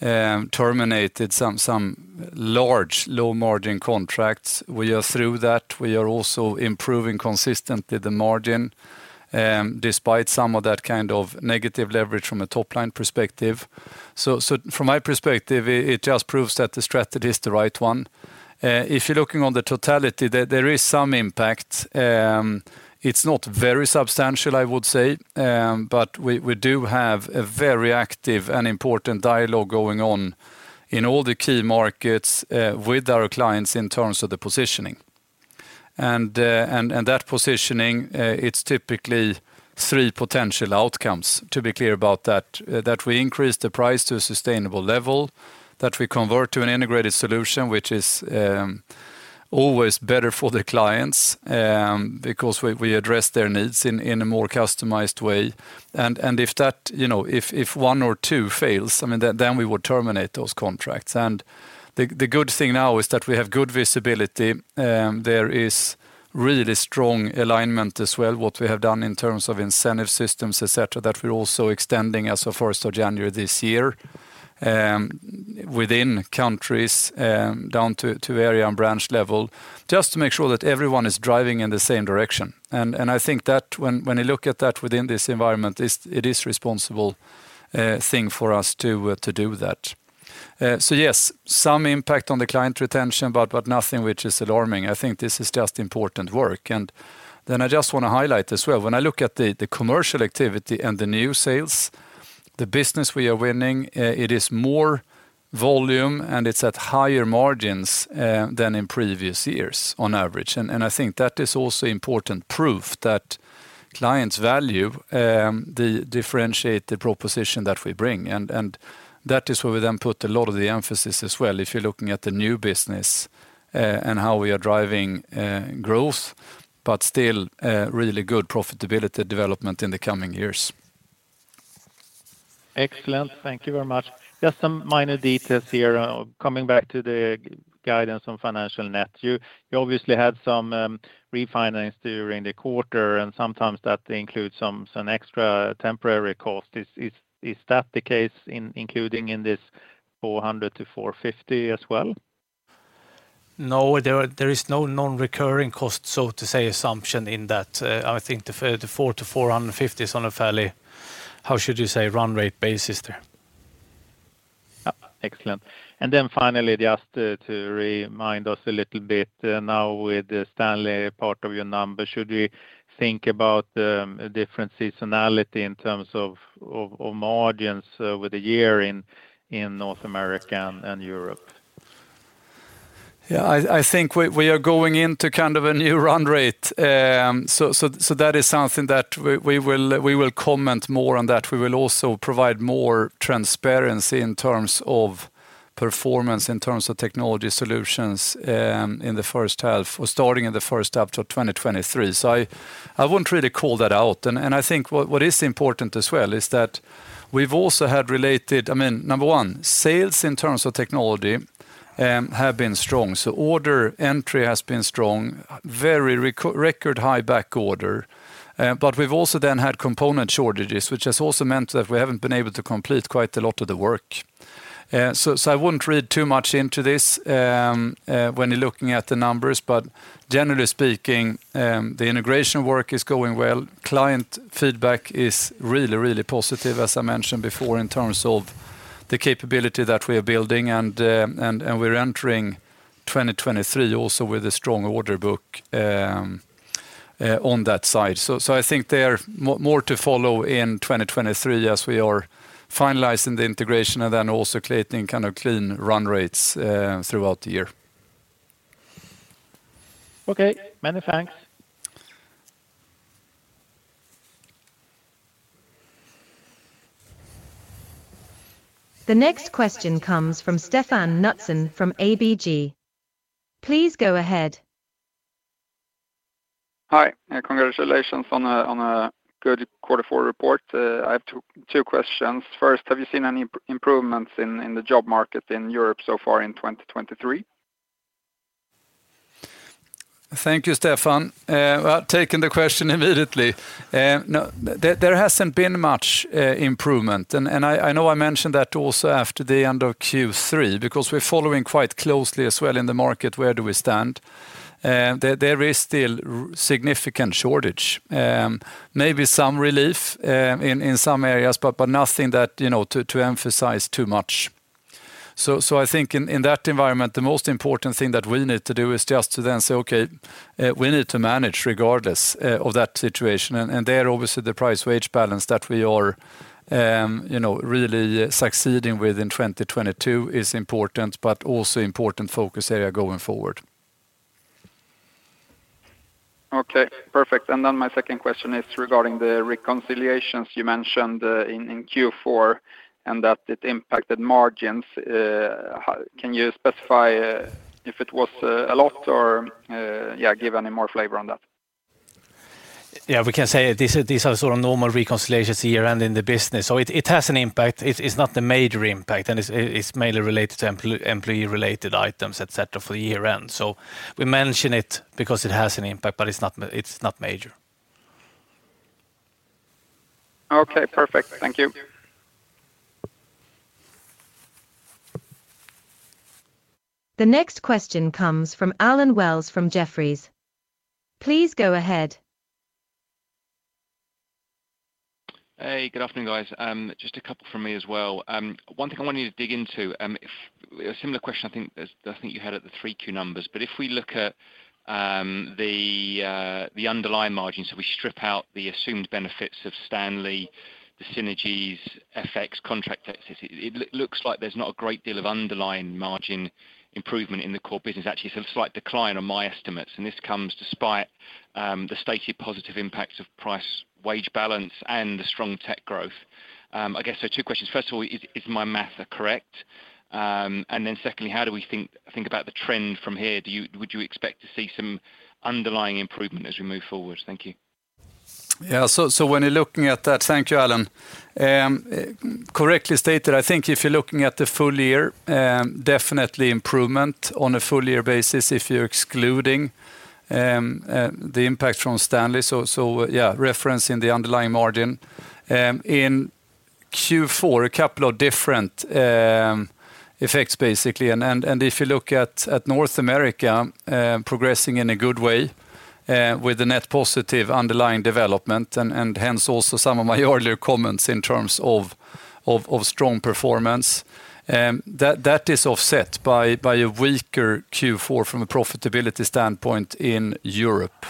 terminated some large low margin contracts. We are through that. We are also improving consistently the margin despite some of that kind of negative leverage from a top line perspective. From my perspective, it just proves that the strategy is the right one. If you're looking on the totality, there is some impact. It's not very substantial, I would say, we do have a very active and important dialogue going on in all the key markets with our clients in terms of the positioning. That positioning, it's typically three potential outcomes to be clear about that we increase the price to a sustainable level, that we convert to an integrated solution, which is always better for the clients, because we address their needs in a more customized way. If that, you know, if one or two fails, I mean, then we would terminate those contracts. The good thing now is that we have good visibility. There is really strong alignment as well, what we have done in terms of incentive systems, et cetera, that we're also extending as of first of January this year, within countries, down to area and branch level, just to make sure that everyone is driving in the same direction. I think that when you look at that within this environment, it is responsible thing for us to do that. Yes, some impact on the client retention, but nothing which is alarming. I think this is just important work. Then I just wanna highlight as well, when I look at the commercial activity and the new sales, the business we are winning, it is more volume, and it's at higher margins than in previous years on average. I think that is also important proof that clients value the differentiated proposition that we bring. That is where we then put a lot of the emphasis as well, if you're looking at the new business, and how we are driving, growth, but still, really good profitability development in the coming years. Excellent. Thank you very much. Just some minor details here. Coming back to the guidance on financial net. You obviously had some refinance during the quarter, and sometimes that includes some extra temporary cost. Is that the case including in this 400-450 as well? No, there is no non-recurring cost, so to say, assumption in that. I think the 400-450 is on a fairly, how should you say, run rate basis there. Excellent. Finally, just to remind us a little bit, now with the Stanley part of your number, should we think about a different seasonality in terms of margins, with a year in North America and Europe? Yeah, I think we are going into kind of a new run rate. That is something that we will comment more on that. We will also provide more transparency in terms of performance, in terms of technology solutions, in the first half or starting in the first half of 2023. I wouldn't really call that out. I think what is important as well is that we've also had I mean, number one, sales in terms of technology have been strong. Order entry has been strong, very record high back order. We've also then had component shortages, which has also meant that we haven't been able to complete quite a lot of the work. I wouldn't read too much into this when you're looking at the numbers. Generally speaking, the integration work is going well. Client feedback is really positive, as I mentioned before, in terms of the capability that we are building, and we're entering 2023 also with a strong order book on that side. I think there more to follow in 2023 as we are finalizing the integration and also creating kind of clean run rates throughout the year. Okay. Many thanks. The next question comes from Stefan Knutsson from ABG. Please go ahead. Hi, congratulations on a good quarter four report. I have two questions. First, have you seen any improvements in the job market in Europe so far in 2023? Thank you, Stefan. Taking the question immediately. No, there hasn't been much improvement. I know I mentioned that also after the end of Q3, because we're following quite closely as well in the market where do we stand. There is still significant shortage. Maybe some relief in some areas, but nothing that, you know, to emphasize too much. I think in that environment, the most important thing that we need to do is just to then say, "Okay, we need to manage regardless of that situation." There obviously the price wage balance that we are, you know, really succeeding with in 2022 is important, but also important focus area going forward. Okay. Perfect. My second question is regarding the reconciliations you mentioned, in Q4, that it impacted margins. Can you specify if it was a lot or, yeah, give any more flavor on that? Yeah, we can say these are sort of normal reconciliations year-end in the business. It has an impact. It's not the major impact, and it's mainly related to employee related items, et cetera, for year-end. We mention it because it has an impact, but it's not major. Okay. Perfect. Thank you. The next question comes from Allen Wells from Jefferies. Please go ahead. Hey, good afternoon, guys. Just a couple from me as well. One thing I wanted to dig into, a similar question I think is, I think you had at the Q3 numbers, but if we look at the underlying margins, so we strip out the assumed benefits of Stanley, the synergies, FX, contract exits, it looks like there's not a great deal of underlying margin improvement in the core business. Actually, it's a slight decline on my estimates, this comes despite the stated positive impacts of price wage balance and the strong tech growth. I guess two questions. First of all, is my math correct? Secondly, how do we think about the trend from here? Would you expect to see some underlying improvement as we move forward? Thank you. So when you're looking at that, thank you, Allen. Correctly stated, I think if you're looking at the full year, definitely improvement on a full year basis if you're excluding the impact from Stanley. Yeah, reference in the underlying margin. In Q4, a couple of different effects, basically. If you look at North America, progressing in a good way, with the net positive underlying development and hence also some of my earlier comments in terms of strong performance. That is offset by a weaker Q4 from a profitability standpoint in Europe.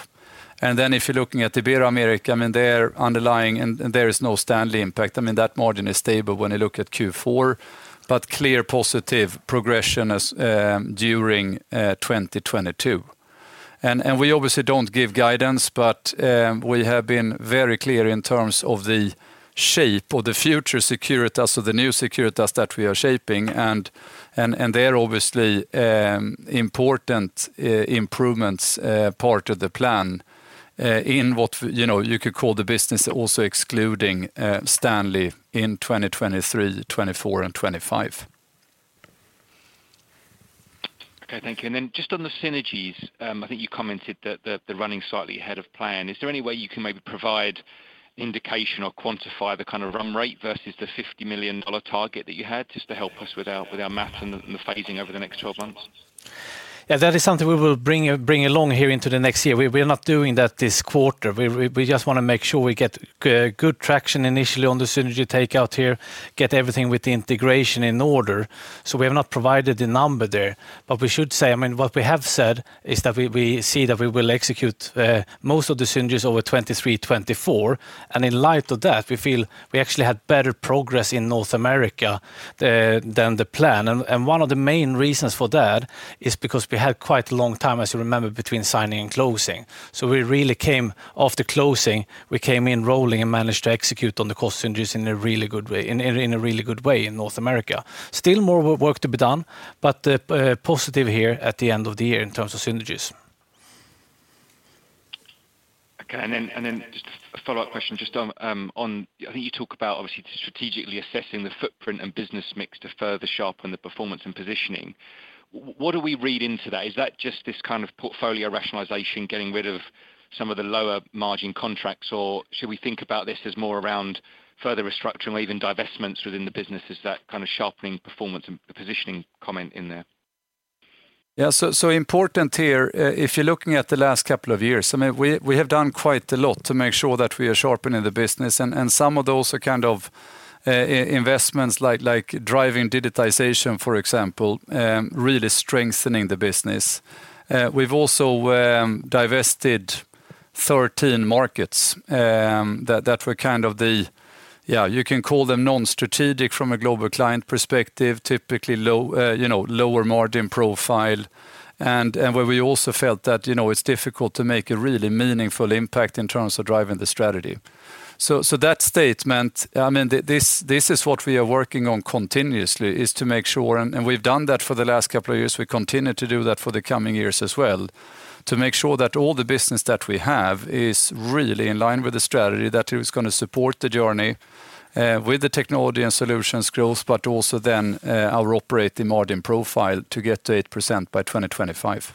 Then if you're looking at the Ibero-America, I mean, their underlying and there is no Stanley impact. I mean, that margin is stable when you look at Q4, but clear positive progression as during 2022. We obviously don't give guidance, but we have been very clear in terms of the shape of the future Securitas or the new Securitas that we are shaping and they're obviously important improvements part of the plan in what you know, you could call the business also excluding Stanley in 2023, 2024 and 2025. Okay, thank you. Just on the synergies, I think you commented that they're running slightly ahead of plan. Is there any way you can maybe provide indication or quantify the kind of run rate versus the $50 million target that you had just to help us with our math and the phasing over the next 12 months? Yeah, that is something we will bring along here into the next year. We're not doing that this quarter. We're, we just wanna make sure we get good traction initially on the synergy takeout here, get everything with the integration in order. We have not provided the number there. We should say, I mean, what we have said is that we see that we will execute most of the synergies over 2023, 2024. In light of that, we feel we actually had better progress in North America than the plan. One of the main reasons for that is because we had quite a long time, as you remember, between signing and closing. We really came after closing, we came in rolling and managed to execute on the cost synergies in a really good way in North America. Still more work to be done, but positive here at the end of the year in terms of synergies. Okay. Then just a follow-up question just on I think you talk about obviously strategically assessing the footprint and business mix to further sharpen the performance and positioning. What do we read into that? Is that just this kind of portfolio rationalization, getting rid of some of the lower margin contracts, or should we think about this as more around further restructuring or even divestments within the business? Is that kind of sharpening performance and the positioning comment in there? Yeah. Important here, if you're looking at the last couple of years, I mean, we have done quite a lot to make sure that we are sharpening the business. Some of those are kind of investments like driving digitization, for example, really strengthening the business. We've also divested 13 markets that were kind of the, yeah, you can call them non-strategic from a global client perspective, typically low, you know, lower margin profile, and where we also felt that, you know, it's difficult to make a really meaningful impact in terms of driving the strategy. That statement, I mean, this is what we are working on continuously, is to make sure, and we've done that for the last couple of years. We continue to do that for the coming years as well, to make sure that all the business that we have is really in line with the strategy, that it was gonna support the journey, with the technology and solutions growth, but also then, our operating margin profile to get to 8% by 2025.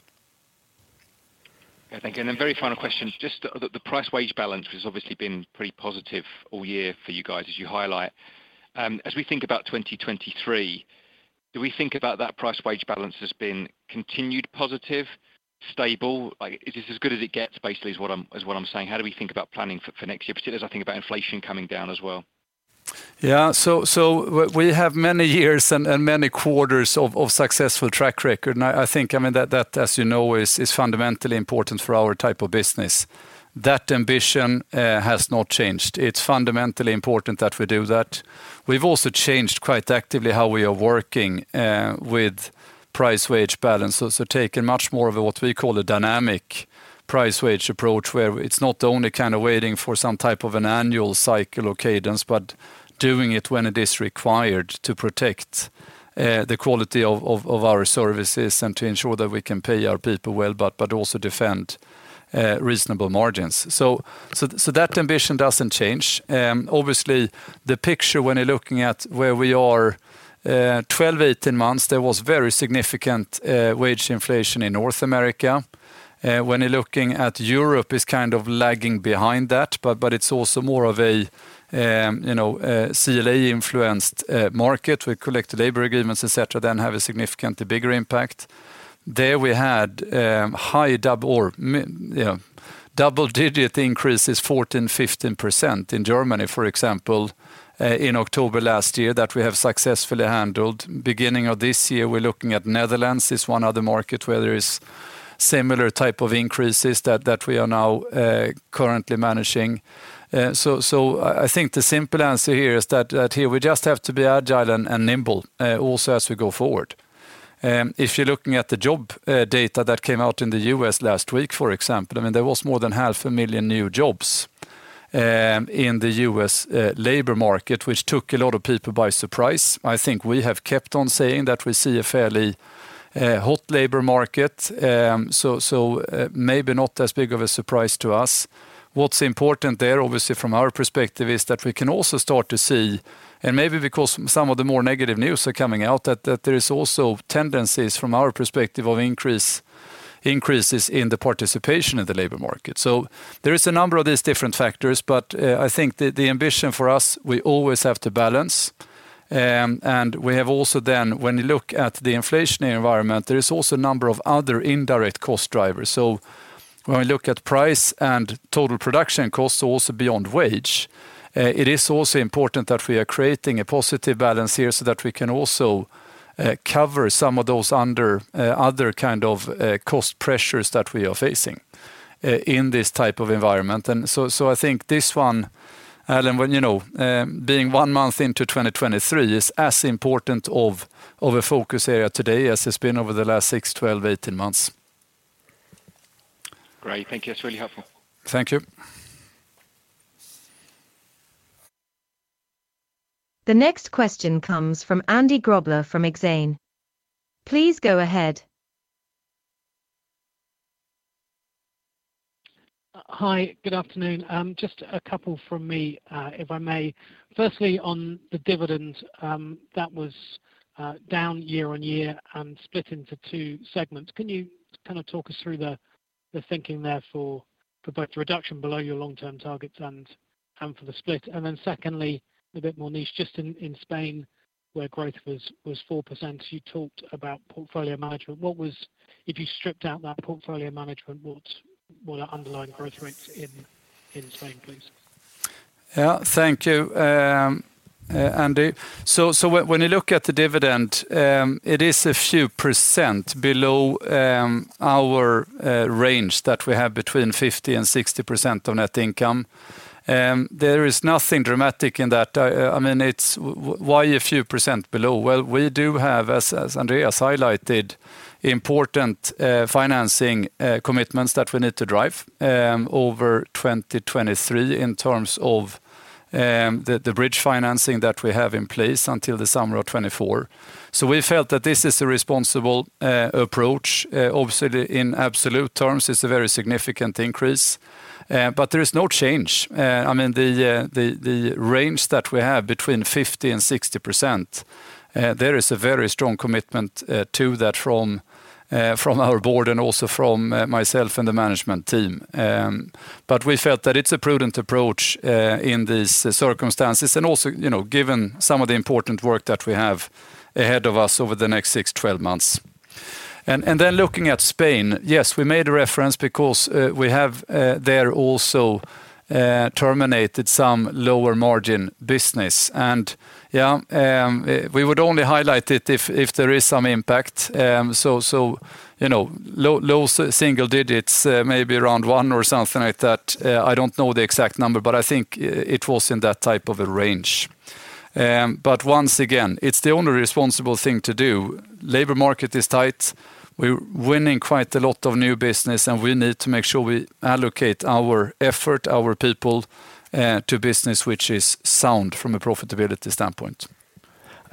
Okay. Thank you. Very final question, just the price wage balance has obviously been pretty positive all year for you guys as you highlight. As we think about 2023, do we think about that price wage balance as being continued positive, stable? Like, is this as good as it gets basically is what I'm saying? How do we think about planning for next year particularly as I think about inflation coming down as well? Yeah. We have many years and many quarters of successful track record. I think, I mean, that as you know is fundamentally important for our type of business. That ambition has not changed. It's fundamentally important that we do that. We've also changed quite actively how we are working with price wage balance. Taken much more of a what we call a dynamic price wage approach, where it's not only kind of waiting for some type of an annual cycle or cadence, but doing it when it is required to protect the quality of our services and to ensure that we can pay our people well, but also defend reasonable margins. That ambition doesn't change. Obviously the picture when you're looking at where we are, 12, 18 months, there was very significant wage inflation in North America. When you're looking at Europe is kind of lagging behind that, but it's also more of a, you know, a CLA influenced market with collective labor agreements, et cetera, then have a significantly bigger impact. There we had high double digit increases 14%, 15% in Germany, for example, in October last year that we have successfully handled. Beginning of this year, we're looking at Netherlands is one other market where there is similar type of increases that we are now currently managing. I think the simple answer here is that here we just have to be agile and nimble also as we go forward. If you're looking at the job data that came out in the U.S. last week, for example, I mean, there was more than half a million new jobs in the U.S. labor market, which took a lot of people by surprise. I think we have kept on saying that we see a fairly hot labor market. Maybe not as big of a surprise to us. What's important there obviously from our perspective is that we can also start to see, and maybe because some of the more negative news are coming out that there is also tendencies from our perspective of increases in the participation in the labor market. There is a number of these different factors, but I think the ambition for us, we always have to balance. We have also then when you look at the inflationary environment, there is also a number of other indirect cost drivers. When we look at price and total production costs also beyond wage, it is also important that we are creating a positive balance here so that we can also cover some of those under other kind of cost pressures that we are facing in this type of environment. I think this one, Allen, when, you know, being one month into 2023 is as important of a focus area today as it's been over the last six, 12, 18 months. Great. Thank you. That's really helpful. Thank you. The next question comes from Andy Grobler from Exane. Please go ahead. Hi. Good afternoon. Just a couple from me, if I may. Firstly, on the dividend, that was down year-on-year and split into two segments. Can you kind of talk us through the thinking there for both the reduction below your long-term targets and for the split? Secondly, a bit more niche just in Spain where growth was 4%. You talked about portfolio management. If you stripped out that portfolio management, what are underlying growth rates in Spain, please? Yeah. Thank you, Andy. When you look at the dividend, it is a few percent below our range that we have between 50% and 60% of net income. There is nothing dramatic in that. I mean, why a few percent below? Well, we do have as Andreas highlighted, important financing commitments that we need to drive over 2023 in terms of the bridge financing that we have in place until the summer of 2024. We felt that this is a responsible approach. Obviously, in absolute terms it's a very significant increase. There is no change. I mean, the range that we have between 50% and 60%, there is a very strong commitment to that from from our board and also from myself and the management team. We felt that it's a prudent approach in these circumstances and also, you know, given some of the important work that we have ahead of us over the next six to 12 months. Looking at Spain, yes, we made a reference because we have there also terminated some lower margin business and yeah, we would only highlight it if there is some impact. You know, low single digits, maybe around one or something like that. I don't know the exact number, but I think it was in that type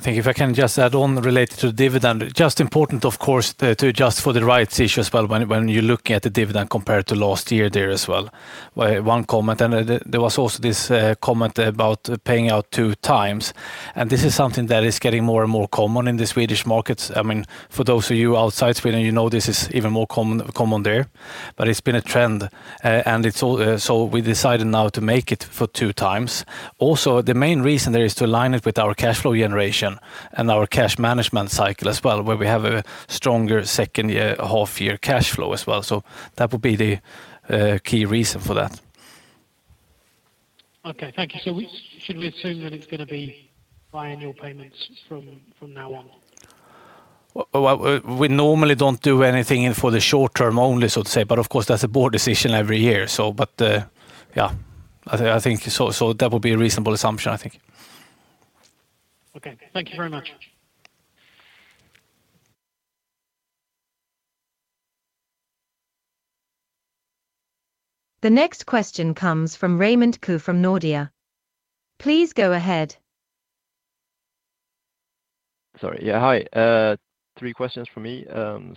I think if I can just add on related to dividend. Just important, of course, to adjust for the rights issue as well when you're looking at the dividend compared to last year there as well. One comment. There was also this comment about paying out 2x, and this is something that is getting more and more common in the Swedish markets. I mean, for those of you outside Sweden, you know this is even more common there. It's been a trend. We decided now to make it for 2x. Also, the main reason there is to align it with our cash flow generation and our cash management cycle as well, where we have a stronger second year, half year cash flow as well. That would be the key reason for that. Okay. Thank you. Should we assume that it's going to be biannual payments from now on? Well, we normally don't do anything in for the short term only, so to say, but of course that's a board decision every year. But, yeah, I think so that would be a reasonable assumption, I think. Okay. Thank you very much. The next question comes from Rasmus Holm from Nordea. Please go ahead. Sorry. Yeah. Hi. three questions from me,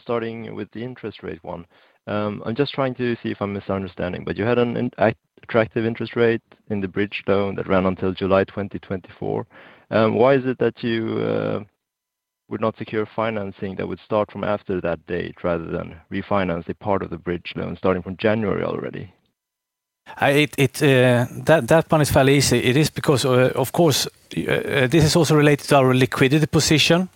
starting with the interest rate one. I'm just trying to see if I'm misunderstanding, but you had an attractive interest rate in the bridge loan that ran until July 2024. Why is it that you would not secure financing that would start from after that date rather than refinance a part of the bridge loan starting from January already? That one is fairly easy. It is because, of course, this is also related to our liquidity position,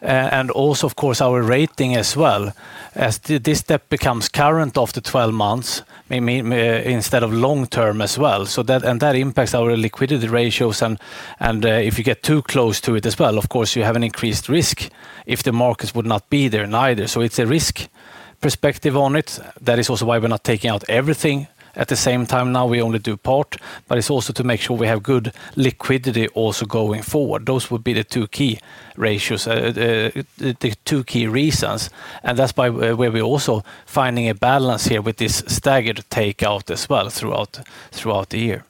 and also of course our rating as well. As this step becomes current after 12 months, may, instead of long term as well, so that. That impacts our liquidity ratios and, if you get too close to it as well, of course you have an increased risk if the markets would not be there neither. It's a risk perspective on it. That is also why we're not taking out everything at the same time now, we only do part. It's also to make sure we have good liquidity also going forward. Those would be the two key ratios, the two key reasons, and that's why, where we're also finding a balance here with this staggered takeout as well throughout the year.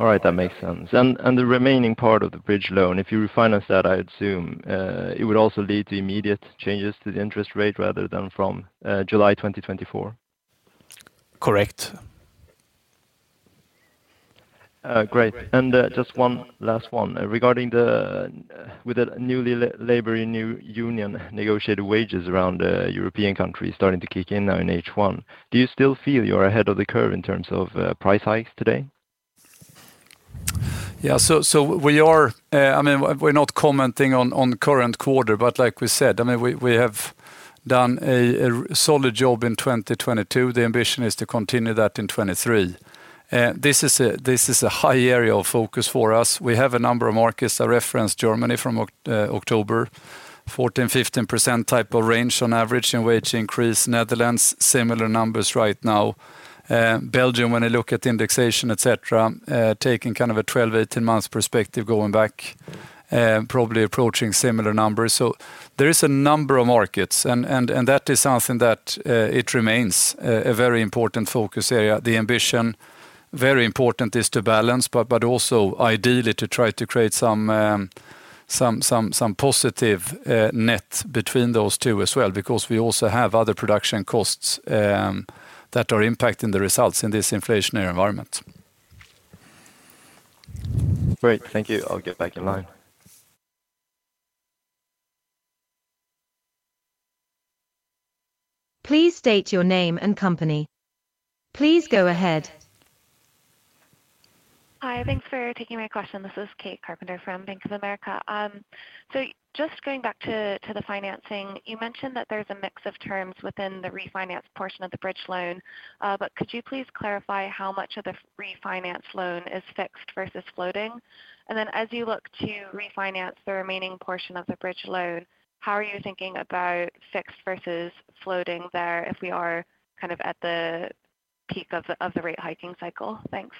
All right. That makes sense. The remaining part of the bridge loan, if you refinance that, I assume, it would also lead to immediate changes to the interest rate rather than from July 2024. Correct. Great. Just one last one. With the newly laboring new union negotiated wages around European countries starting to kick in now in H1, do you still feel you're ahead of the curve in terms of price hikes today? We're not commenting on current quarter, like we said, we have done a solid job in 2022. The ambition is to continue that in 2023. This is a high area of focus for us. We have a number of markets. I referenced Germany from October, 14%-15% type of range on average in wage increase. Netherlands, similar numbers right now. Belgium, when you look at indexation, et cetera, taking kind of a 12 to 18 months perspective going back, probably approaching similar numbers. There is a number of markets and that is something that it remains a very important focus area. The ambition, very important, is to balance, but also ideally to try to create some positive net between those two as well because we also have other production costs that are impacting the results in this inflationary environment. Great. Thank you. I'll get back in line. Please state your name and company. Please go ahead. Hi. Thanks for taking my question. This is Katherine Carpenter from Bank of America. Just going back to the financing, you mentioned that there's a mix of terms within the refinance portion of the bridge loan, could you please clarify how much of the refinance loan is fixed versus floating? As you look to refinance the remaining portion of the bridge loan, how are you thinking about fixed versus floating there if we are kind of at the peak of the rate hiking cycle? Thanks.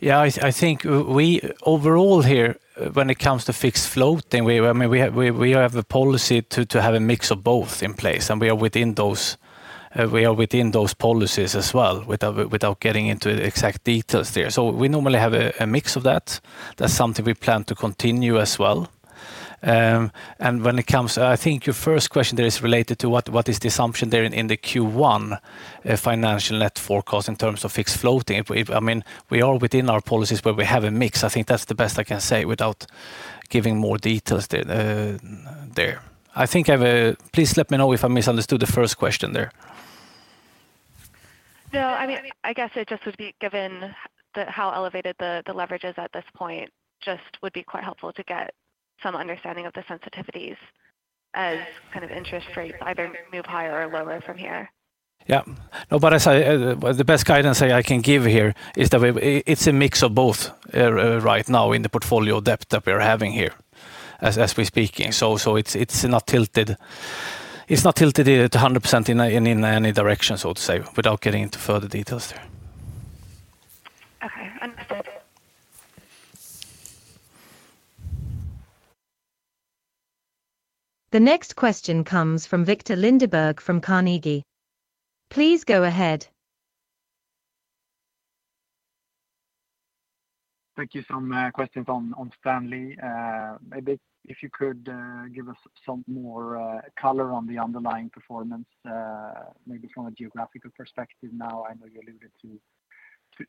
Yeah. I think we overall here when it comes to fixed floating, we, I mean, we have a policy to have a mix of both in place, and we are within those, we are within those policies as well without getting into the exact details there. We normally have a mix of that. That's something we plan to continue as well. When it comes, I think your first question there is related to what is the assumption there in the Q1 financial net forecast in terms of fixed floating. I mean, we are within our policies, but we have a mix. I think that's the best I can say without giving more details there. I think I've. Please let me know if I misunderstood the first question there. No. I mean, I guess it just would be given the how elevated the leverage is at this point just would be quite helpful to get some understanding of the sensitivities as kind of interest rates either move higher or lower from here. Yeah. No, but the best guidance I can give here is that it's a mix of both, right now in the portfolio depth that we're having here as we're speaking. It's not tilted to 100% in any direction, so to say, without getting into further details there. Okay. Understood. The next question comes from Viktor Lindeberg from Carnegie. Please go ahead. Thank you. Some questions on Stanley. Maybe if you could give us some more color on the underlying performance, maybe from a geographical perspective now. I know you alluded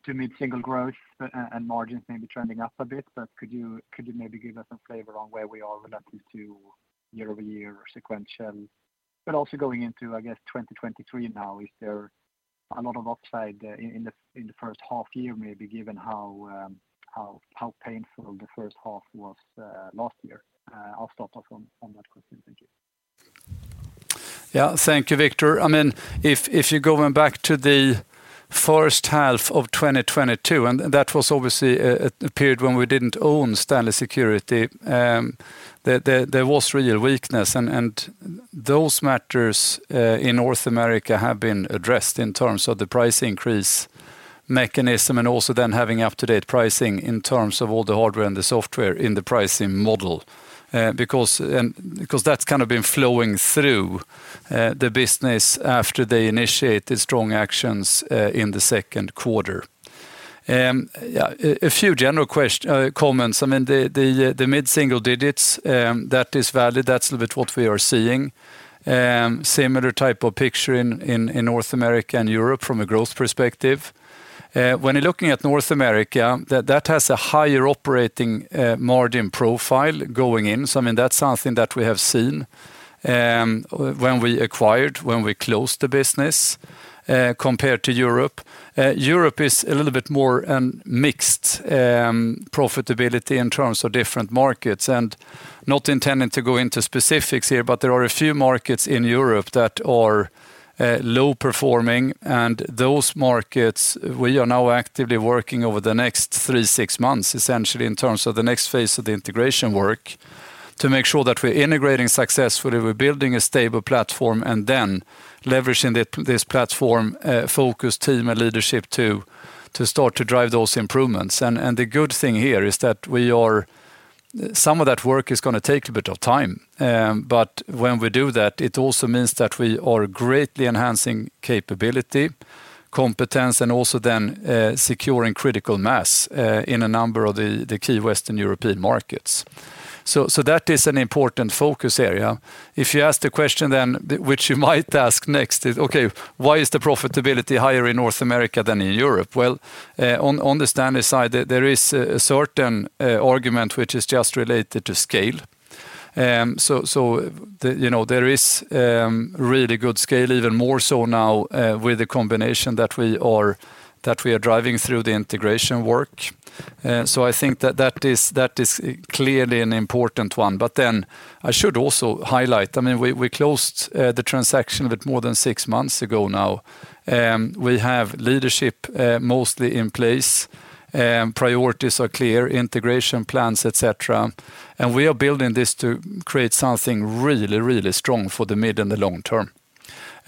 to mid-single growth and margins maybe trending up a bit. Could you maybe give us some flavor on where we are relative to year-over-year or sequential? Also going into, I guess, 2023 now, is there a lot of upside in the first half year, maybe given how painful the first half was last year? I'll stop off on that question. Thank you. Yeah. Thank you, Viktor. I mean, if you're going back to the first half of 2022, that was obviously a period when we didn't own Stanley Security, there was real weakness. Those matters in North America have been addressed in terms of the price increase mechanism and also then having up-to-date pricing in terms of all the hardware and the software in the pricing model. Because that's kinda been flowing through the business after they initiate the strong actions in the second quarter. Yeah, a few general comments. I mean, the mid-single digits, that is valid. That's a bit what we are seeing. Similar type of picture in North America and Europe from a growth perspective. When you're looking at North America, that has a higher operating margin profile going in. I mean, that's something that we have seen when we acquired, when we closed the business, compared to Europe. Europe is a little bit more mixed profitability in terms of different markets. Not intending to go into specifics here, but there are a few markets in Europe that are low performing, and those markets we are now actively working over the next 3 to 6 months, essentially, in terms of the next phase of the integration work to make sure that we're integrating successfully, we're building a stable platform, and then leveraging this platform, focus, team, and leadership to start to drive those improvements. The good thing here is that some of that work is gonna take a bit of time. But when we do that, it also means that we are greatly enhancing capability, competence, and also then securing critical mass in a number of the key Western European markets. That is an important focus area. If you ask the question then, which you might ask next, is okay, why is the profitability higher in North America than in Europe? Well, on the Stanley side, there is a certain argument which is just related to scale. The, you know, there is really good scale, even more so now, with the combination that we are driving through the integration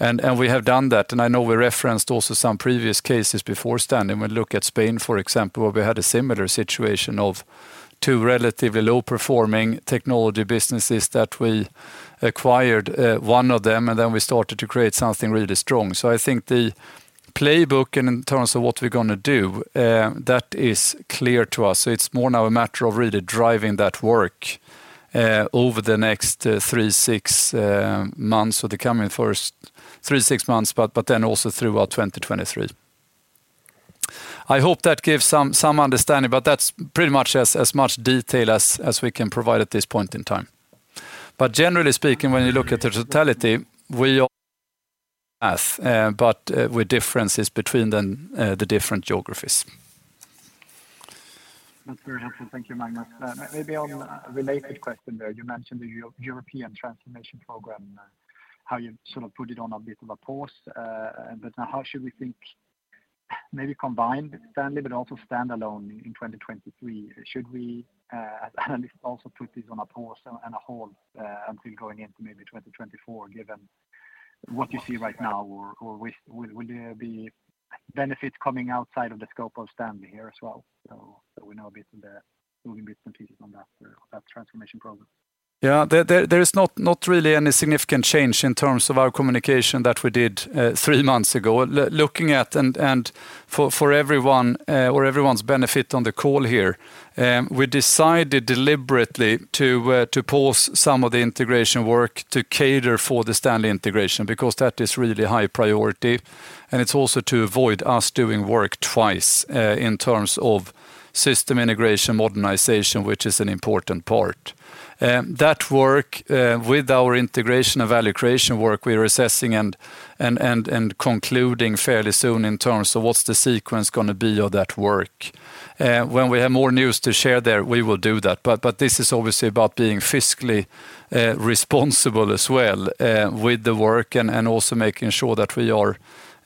work. I think that is clearly an important one. I should also highlight, I mean, we closed the transaction a bit more than six months ago now. We have leadership mostly in place, priorities are clear, integration plans, et cetera. We are building this to create something really strong for the mid and the long term. We have done that, I know we referenced also some previous cases before Stanley. When you look at Spain, for example, where we had a similar situation of two relatively low-performing technology businesses that we acquired, one of them, we started to create something really strong. I think the playbook in terms of what we're gonna do, that is clear to us. It's more now a matter of really driving that work, over the next, three, six months or the coming first three, six months, but then also throughout 2023. I hope that gives some understanding, but that's pretty much as much detail as we can provide at this point in time. Generally speaking, when you look at the totality, we are... but with differences between the different geographies. That's very helpful. Thank you, Magnus. Maybe on a related question there. You mentioned the European transformation program, how you sort of put it on a bit of a pause. Now how should we think maybe combined with Stanley but also standalone in 2023? Should we, at least also put this on a pause and a hold, until going into maybe 2024, given what you see right now or will there be benefits coming outside of the scope of Stanley here as well? We know a bit moving bits and pieces on that transformation program. Yeah. There is not really any significant change in terms of our communication that we did three months ago. Looking at and for everyone, or everyone's benefit on the call here, we decided deliberately to pause some of the integration work to cater for the Stanley integration because that is really high priority, and it's also to avoid us doing work twice in terms of system integration modernization, which is an important part. That work with our integration and value creation work, we're assessing and concluding fairly soon in terms of what's the sequence gonna be of that work. When we have more news to share there, we will do that. This is obviously about being fiscally responsible as well with the work and also making sure that we are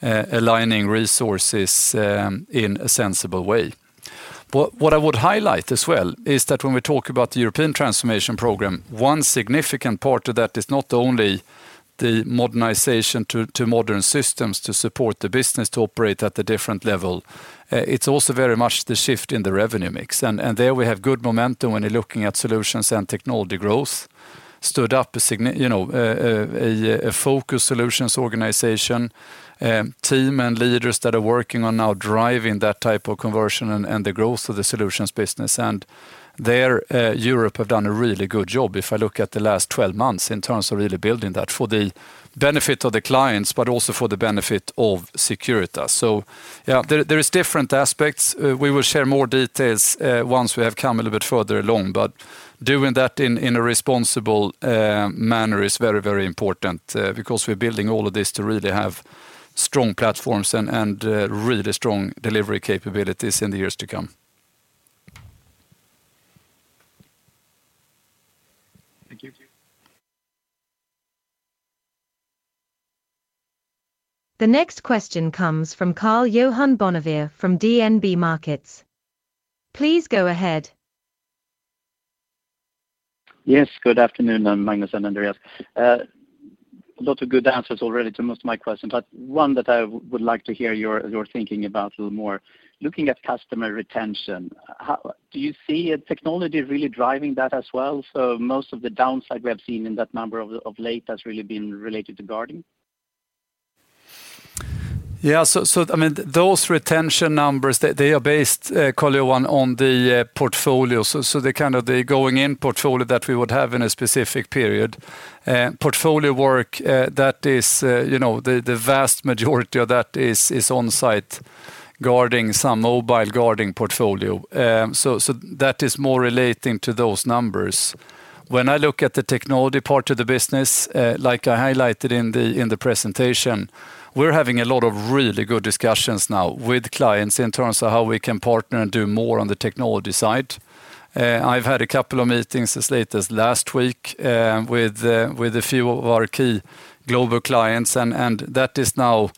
aligning resources in a sensible way. What I would highlight as well is that when we talk about the European transformation program, one significant part of that is not only the modernization to modern systems to support the business to operate at a different level, it's also very much the shift in the revenue mix. There we have good momentum when you're looking at solutions and technology growth stood up, you know, a focused solutions organization, team and leaders that are working on now driving that type of conversion and the growth of the solutions business. There, Europe have done a really good job if I look at the last 12 months in terms of really building that for the benefit of the clients, but also for the benefit of Securitas. Yeah, there is different aspects. We will share more details, once we have come a little bit further along, but doing that in a responsible manner is very, very important, because we're building all of this to really have strong platforms and really strong delivery capabilities in the years to come. Thank you. The next question comes from Karl-Johan Bonnevier from DNB Markets. Please go ahead. Good afternoon, Magnus and Andreas. A lot of good answers already to most of my questions, but one that I would like to hear your thinking about a little more. Looking at customer retention, do you see technology really driving that as well? Most of the downside we have seen in that number of late has really been related to guarding. I mean, those retention numbers, they are based, Karl-Johan, on the portfolio. The kind of the going in portfolio that we would have in a specific period. Portfolio work, that is, you know, the vast majority of that is on site guarding some mobile guarding portfolio. That is more relating to those numbers. When I look at the technology part of the business, like I highlighted in the presentation, we're having a lot of really good discussions now with clients in terms of how we can partner and do more on the technology side. I've had a couple of meetings as late as last week, with a few of our key global clients, and that is now,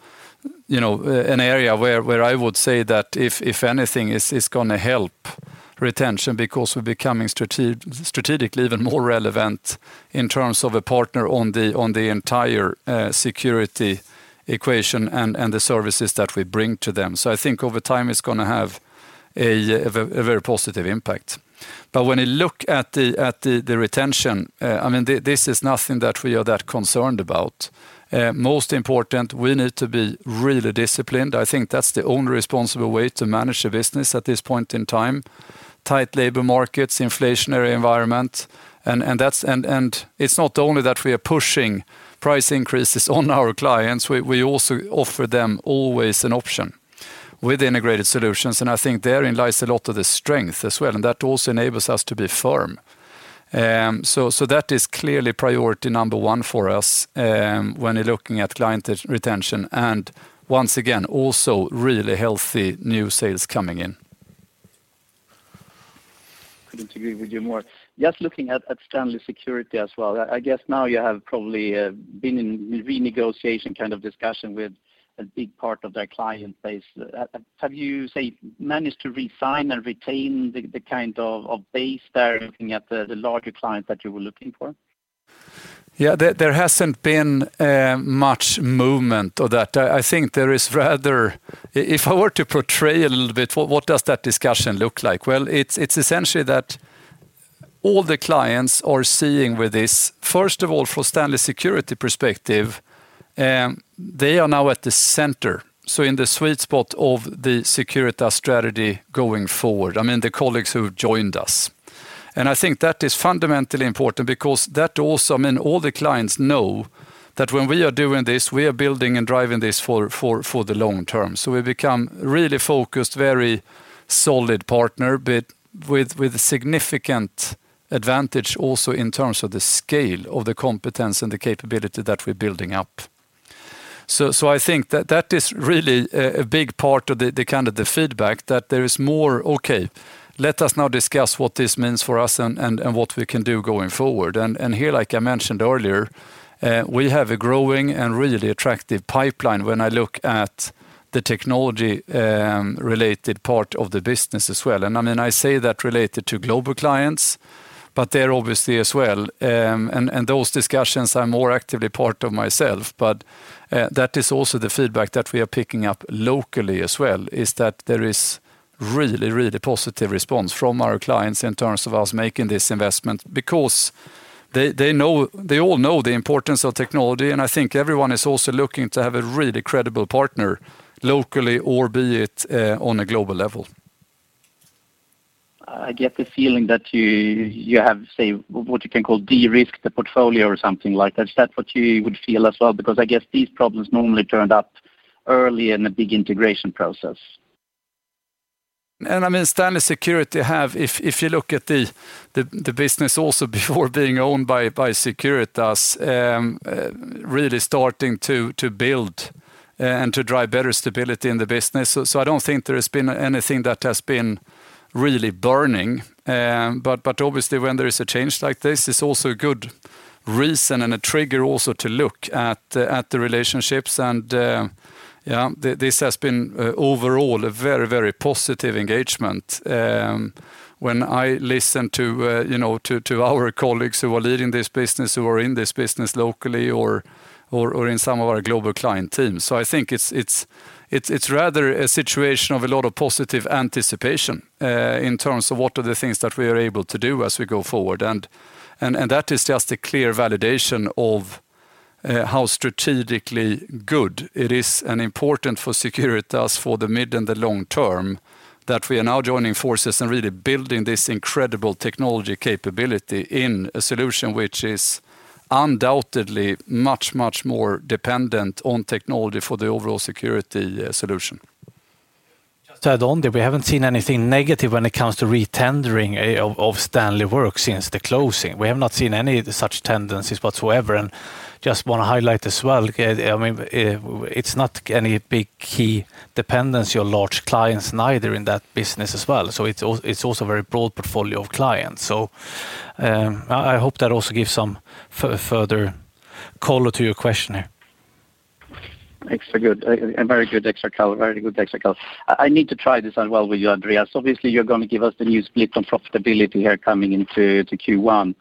you know, an area where I would say that if anything is gonna help retention because we're becoming strategically even more relevant in terms of a partner on the entire security equation and the services that we bring to them. I think over time it's gonna have a very positive impact. When you look at the retention, I mean, this is nothing that we are that concerned about. Most important, we need to be really disciplined. I think that's the only responsible way to manage a business at this point in time. Tight labor markets, inflationary environment, it's not only that we are pushing price increases on our clients, we also offer them always an option with integrated solutions. I think therein lies a lot of the strength as well, and that also enables us to be firm. That is clearly priority number one for us, when you're looking at client retention and once again, also really healthy new sales coming in. Couldn't agree with you more. Just looking at Stanley Security as well, I guess now you have probably been in renegotiation kind of discussion with a big part of their client base. Have you say, managed to resign and retain the kind of base there looking at the larger clients that you were looking for? Yeah. There hasn't been much movement of that. I think there is rather... If I were to portray a little bit, what does that discussion look like? Well, it's essentially that all the clients are seeing with this, first of all, from Stanley Security perspective, they are now at the center, so in the sweet spot of the Securitas strategy going forward. I mean, the colleagues who have joined us. I think that is fundamentally important because that also, I mean, all the clients know that when we are doing this, we are building and driving this for the long term. We become really focused, very solid partner, but with significant advantage also in terms of the scale of the competence and the capability that we're building up. I think that is really a big part of the kind of the feedback that there is more, okay, let us now discuss what this means for us and what we can do going forward. Here, like I mentioned earlier, we have a growing and really attractive pipeline when I look at the technology related part of the business as well. I mean, I say that related to global clients, but they're obviously as well. Those discussions I'm more actively part of myself. That is also the feedback that we are picking up locally as well, is that there is really, really positive response from our clients in terms of us making this investment because they know the importance of technology, and I think everyone is also looking to have a really credible partner locally or be it on a global level. I get the feeling that you have, say, what you can call de-risk the portfolio or something like that. Is that what you would feel as well? Because I guess these problems normally turned up early in a big integration process. I mean, Stanley Security have, if you look at the business also before being owned by Securitas, really starting to build and to drive better stability in the business. I don't think there has been anything that has been really burning. But obviously when there is a change like this, it's also a good reason and a trigger also to look at the relationships and, yeah, this has been overall a very, very positive engagement. When I listen to, you know, to our colleagues who are leading this business, who are in this business locally or in some of our global client teams. I think it's rather a situation of a lot of positive anticipation in terms of what are the things that we are able to do as we go forward. That is just a clear validation of how strategically good it is and important for Securitas for the mid and the long term that we are now joining forces and really building this incredible technology capability in a solution which is undoubtedly much more dependent on technology for the overall security solution. To add on that, we haven't seen anything negative when it comes to retendering of Stanley work since the closing. We have not seen any such tendencies whatsoever, just wanna highlight as well, I mean, it's not any big key dependency or large clients neither in that business as well. It's also a very broad portfolio of clients. I hope that also gives some further color to your question here. Excellent. Good. Very good. Excellent call. Very good. Excellent call. I need to try this as well with you, Andreas. Obviously you're gonna give us the new split on profitability here coming into Q1.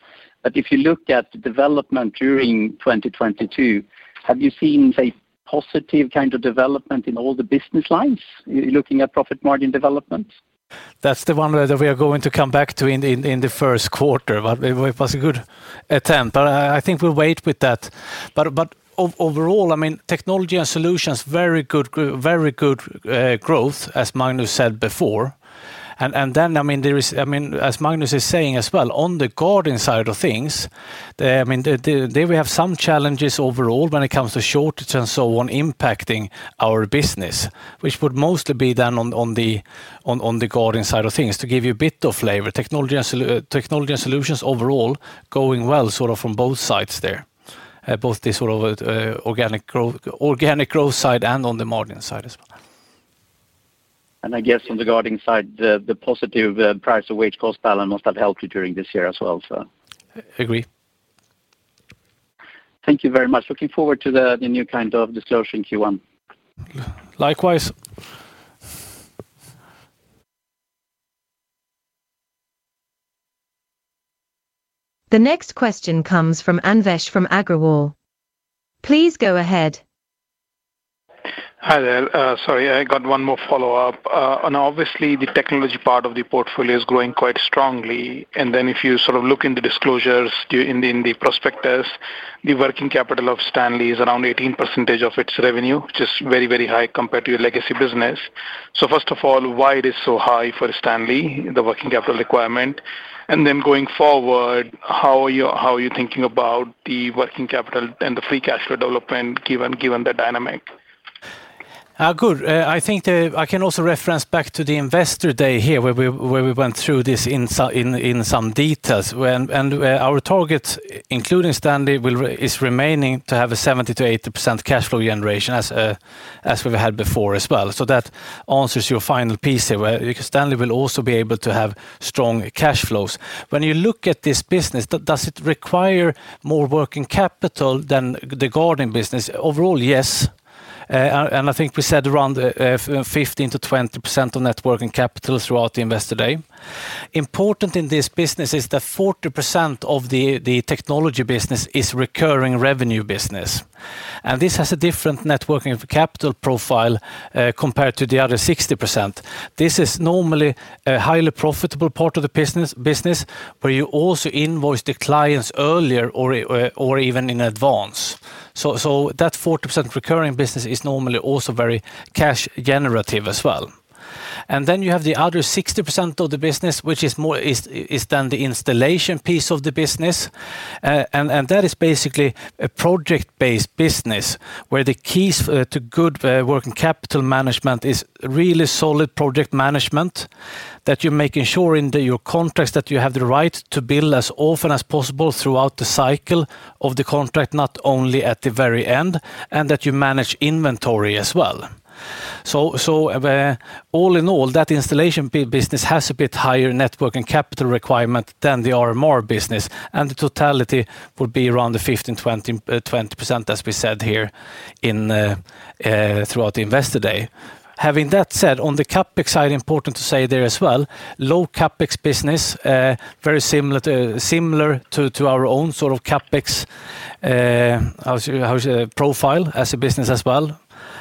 But if you look at the development during 2022, have you seen say positive kind of development in all the business lines you're looking at profit margin development? That's the one that we are going to come back to in the, in the first quarter, but it was a good attempt, but I think we'll wait with that. Overall, I mean, technology and solutions very good growth as Magnus said before. Then I mean, there is, I mean, as Magnus is saying as well on the garden side of things, there we have some challenges overall when it comes to shortage and so on impacting our business, which would mostly be done on the garden side of things to give you a bit of flavor. Technology and solutions overall going well sort of from both sides there, both the sort of, organic growth side and on the margin side as well. I guess on the Guardian side, the positive price to wage cost balance must have helped you during this year as well, so. Agree. Thank you very much. Looking forward to the new kind of disclosure in Q1. Likewise. The next question comes from Anvesh Agrawal. Please go ahead. Hi there. sorry, I got one more follow-up. Obviously the technology part of the portfolio is growing quite strongly, then if you sort of look in the disclosures during in the prospectus, the working capital of Stanley is around 18% of its revenue, which is very, very high compared to your legacy business. First of all, why it is so high for Stanley, the working capital requirement? Then going forward, how are you thinking about the working capital and the free cash flow development given the dynamic? I think I can also reference back to the Investor Day here where we went through this in some details when. Our target, including Stanley, is remaining to have a 70%-80% cash flow generation as we've had before as well. That answers your final piece there, where Stanley will also be able to have strong cash flows. When you look at this business, does it require more working capital than the El Guardian business? Overall, yes. I think we said around 15%-20% of net working capital throughout the Investor Day. Important in this business is that 40% of the technology business is recurring revenue business. This has a different net working capital profile compared to the other 60%. This is normally a highly profitable part of the business, where you also invoice the clients earlier or even in advance. That 40% recurring business is normally also very cash generative as well. Then you have the other 60% of the business, which is more, is done the installation piece of the business. And that is basically a project-based business where the keys to good working capital management is really solid project management, that you're making sure your contracts that you have the right to bill as often as possible throughout the cycle of the contract, not only at the very end, and that you manage inventory as well. All in all, that installation bi-business has a bit higher net working capital requirement than the RMR business, and the totality would be around the 15%-20%, as we said throughout the Investor Day. Having that said, on the CapEx side, important to say there as well, low CapEx business, very similar to our own sort of CapEx profile as a business as well.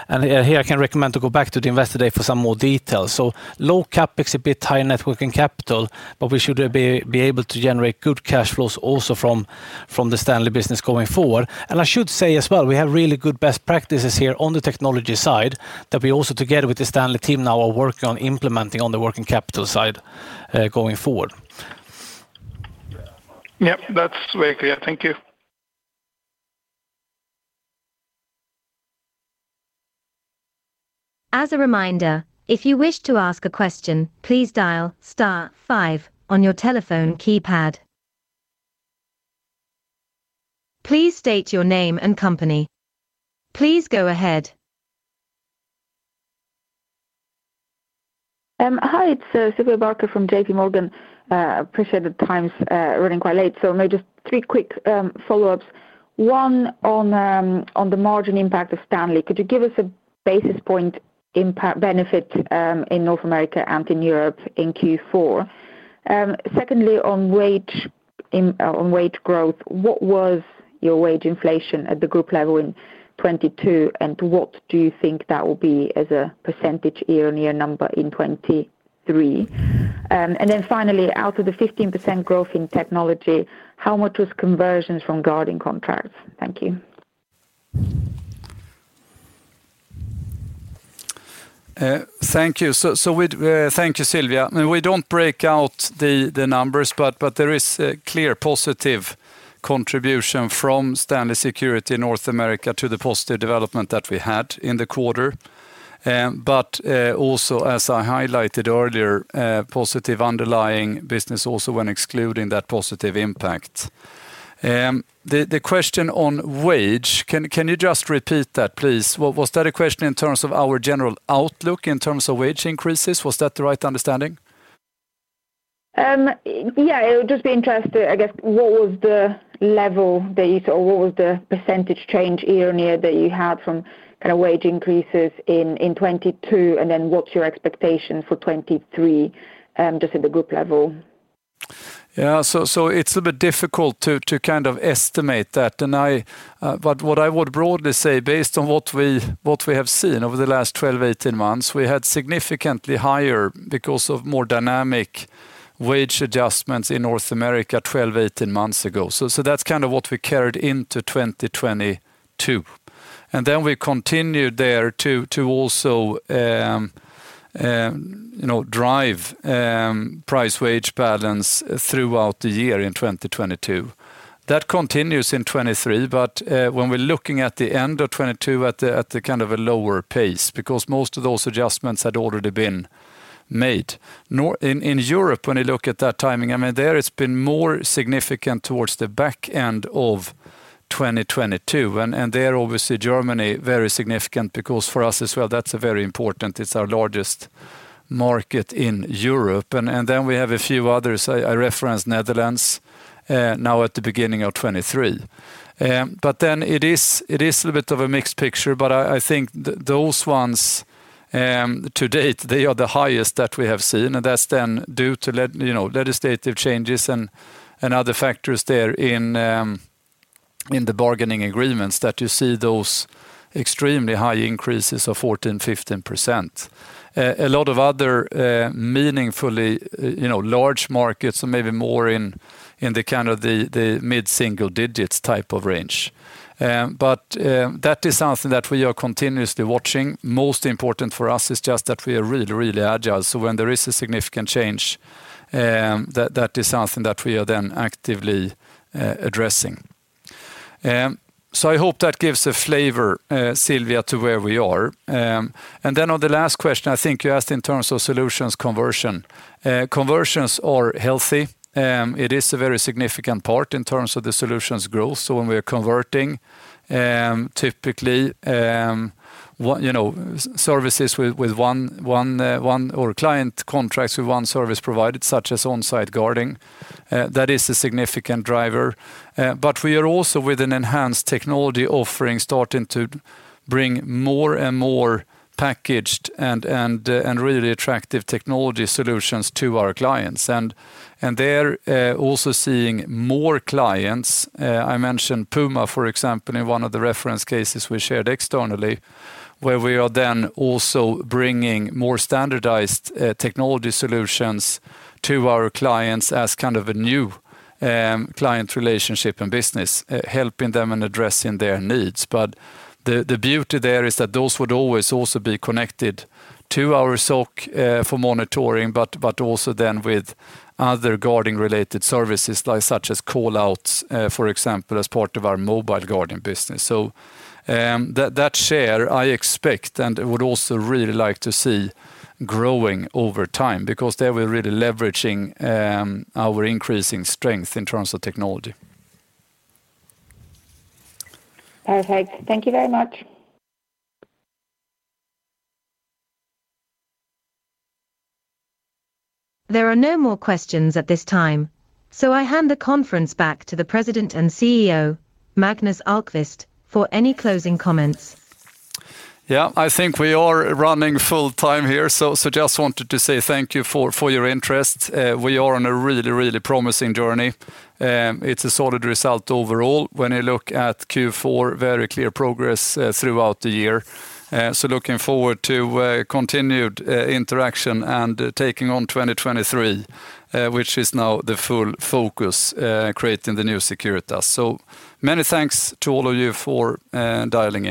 Here I can recommend to go back to the Investor Day for some more details. Low CapEx, a bit higher net working capital, but we should be able to generate good cash flows also from the Stanley business going forward. I should say as well, we have really good best practices here on the technology side that we also, together with the Stanley team now, are working on implementing on the working capital side, going forward. Yep. That's very clear. Thank you. As a reminder, if you wish to ask a question, please dial star five on your telephone keypad. Please state your name and company. Please go ahead. Hi, it's Sylvia Barker from JP Morgan. Appreciate the time's running quite late, so maybe just three quick follow-ups. One on the margin impact of Stanley. Could you give us a basis point impact benefit in North America and in Europe in Q4? Secondly, on wage growth, what was your wage inflation at the group level in 2022? What do you think that will be as a percentage year-on-year number in 2023? Finally, out of the 15% growth in technology, how much was conversions from guarding contracts? Thank you. Thank you. Thank you, Sylvia. No, we don't break out the numbers, but there is a clear positive contribution from Stanley Security in North America to the positive development that we had in the quarter. Also, as I highlighted earlier, positive underlying business also when excluding that positive impact. The question on wage, can you just repeat that, please? Was that a question in terms of our general outlook in terms of wage increases? Was that the right understanding? Yeah, it would just be interesting, I guess, what was the level that you saw? What was the percentage change year-over-year that you had from kind of wage increases in 2022? What's your expectation for 2023, just at the group level? Yeah. So it's a bit difficult to kind of estimate that. What I would broadly say based on what we have seen over the last 12, 18 months, we had significantly higher because of more dynamic wage adjustments in North America 12, 18 months ago. So that's kind of what we carried into 2022. We continued there to also, you know, drive price wage patterns throughout the year in 2022. That continues in 2023. When we're looking at the end of 2022 at a kind of a lower pace, because most of those adjustments had already been made. In Europe, when you look at that timing, I mean, there it's been more significant towards the back end of 2022. There, obviously Germany, very significant because for us as well, that's a very important. It's our largest market in Europe. Then we have a few others. I referenced Netherlands now at the beginning of 2023. But then it is a little bit of a mixed picture, but I think those ones, to date, they are the highest that we have seen. That's then due to you know, legislative changes and other factors there in the bargaining agreements that you see those extremely high increases of 14%-15%. A lot of other, meaningfully, you know, large markets or maybe more in the kind of the mid-single digits type of range. But that is something that we are continuously watching. Most important for us is just that we are really, really agile. When there is a significant change, that is something that we are then actively addressing. I hope that gives a flavor, Sylvia, to where we are. Then on the last question, I think you asked in terms of solutions conversion. Conversions are healthy. It is a very significant part in terms of the solutions growth. When we are converting, typically, you know, services with one or client contracts with one service provider such as onsite guarding, that is a significant driver. We are also with an enhanced technology offering starting to bring more and more packaged and really attractive technology solutions to our clients. They're also seeing more clients. I mentioned Puma, for example, in one of the reference cases we shared externally, where we are then also bringing more standardized technology solutions to our clients as kind of a new client relationship and business, helping them and addressing their needs. The beauty there is that those would always also be connected to our SOC for monitoring, but also then with other guarding related services like such as call-outs, for example, as part of our mobile guarding business. That, that share I expect and would also really like to see growing over time because there we're really leveraging our increasing strength in terms of technology. Perfect. Thank you very much. There are no more questions at this time, so I hand the conference back to the President and CEO, Magnus Ahlqvist, for any closing comments. Yeah. I think we are running full time here, so just wanted to say thank you for your interest. We are on a really, really promising journey. It's a solid result overall. When you look at Q4, very clear progress throughout the year. Looking forward to continued interaction and taking on 2023, which is now the full focus, creating the new Securitas. Many thanks to all of you for dialing in.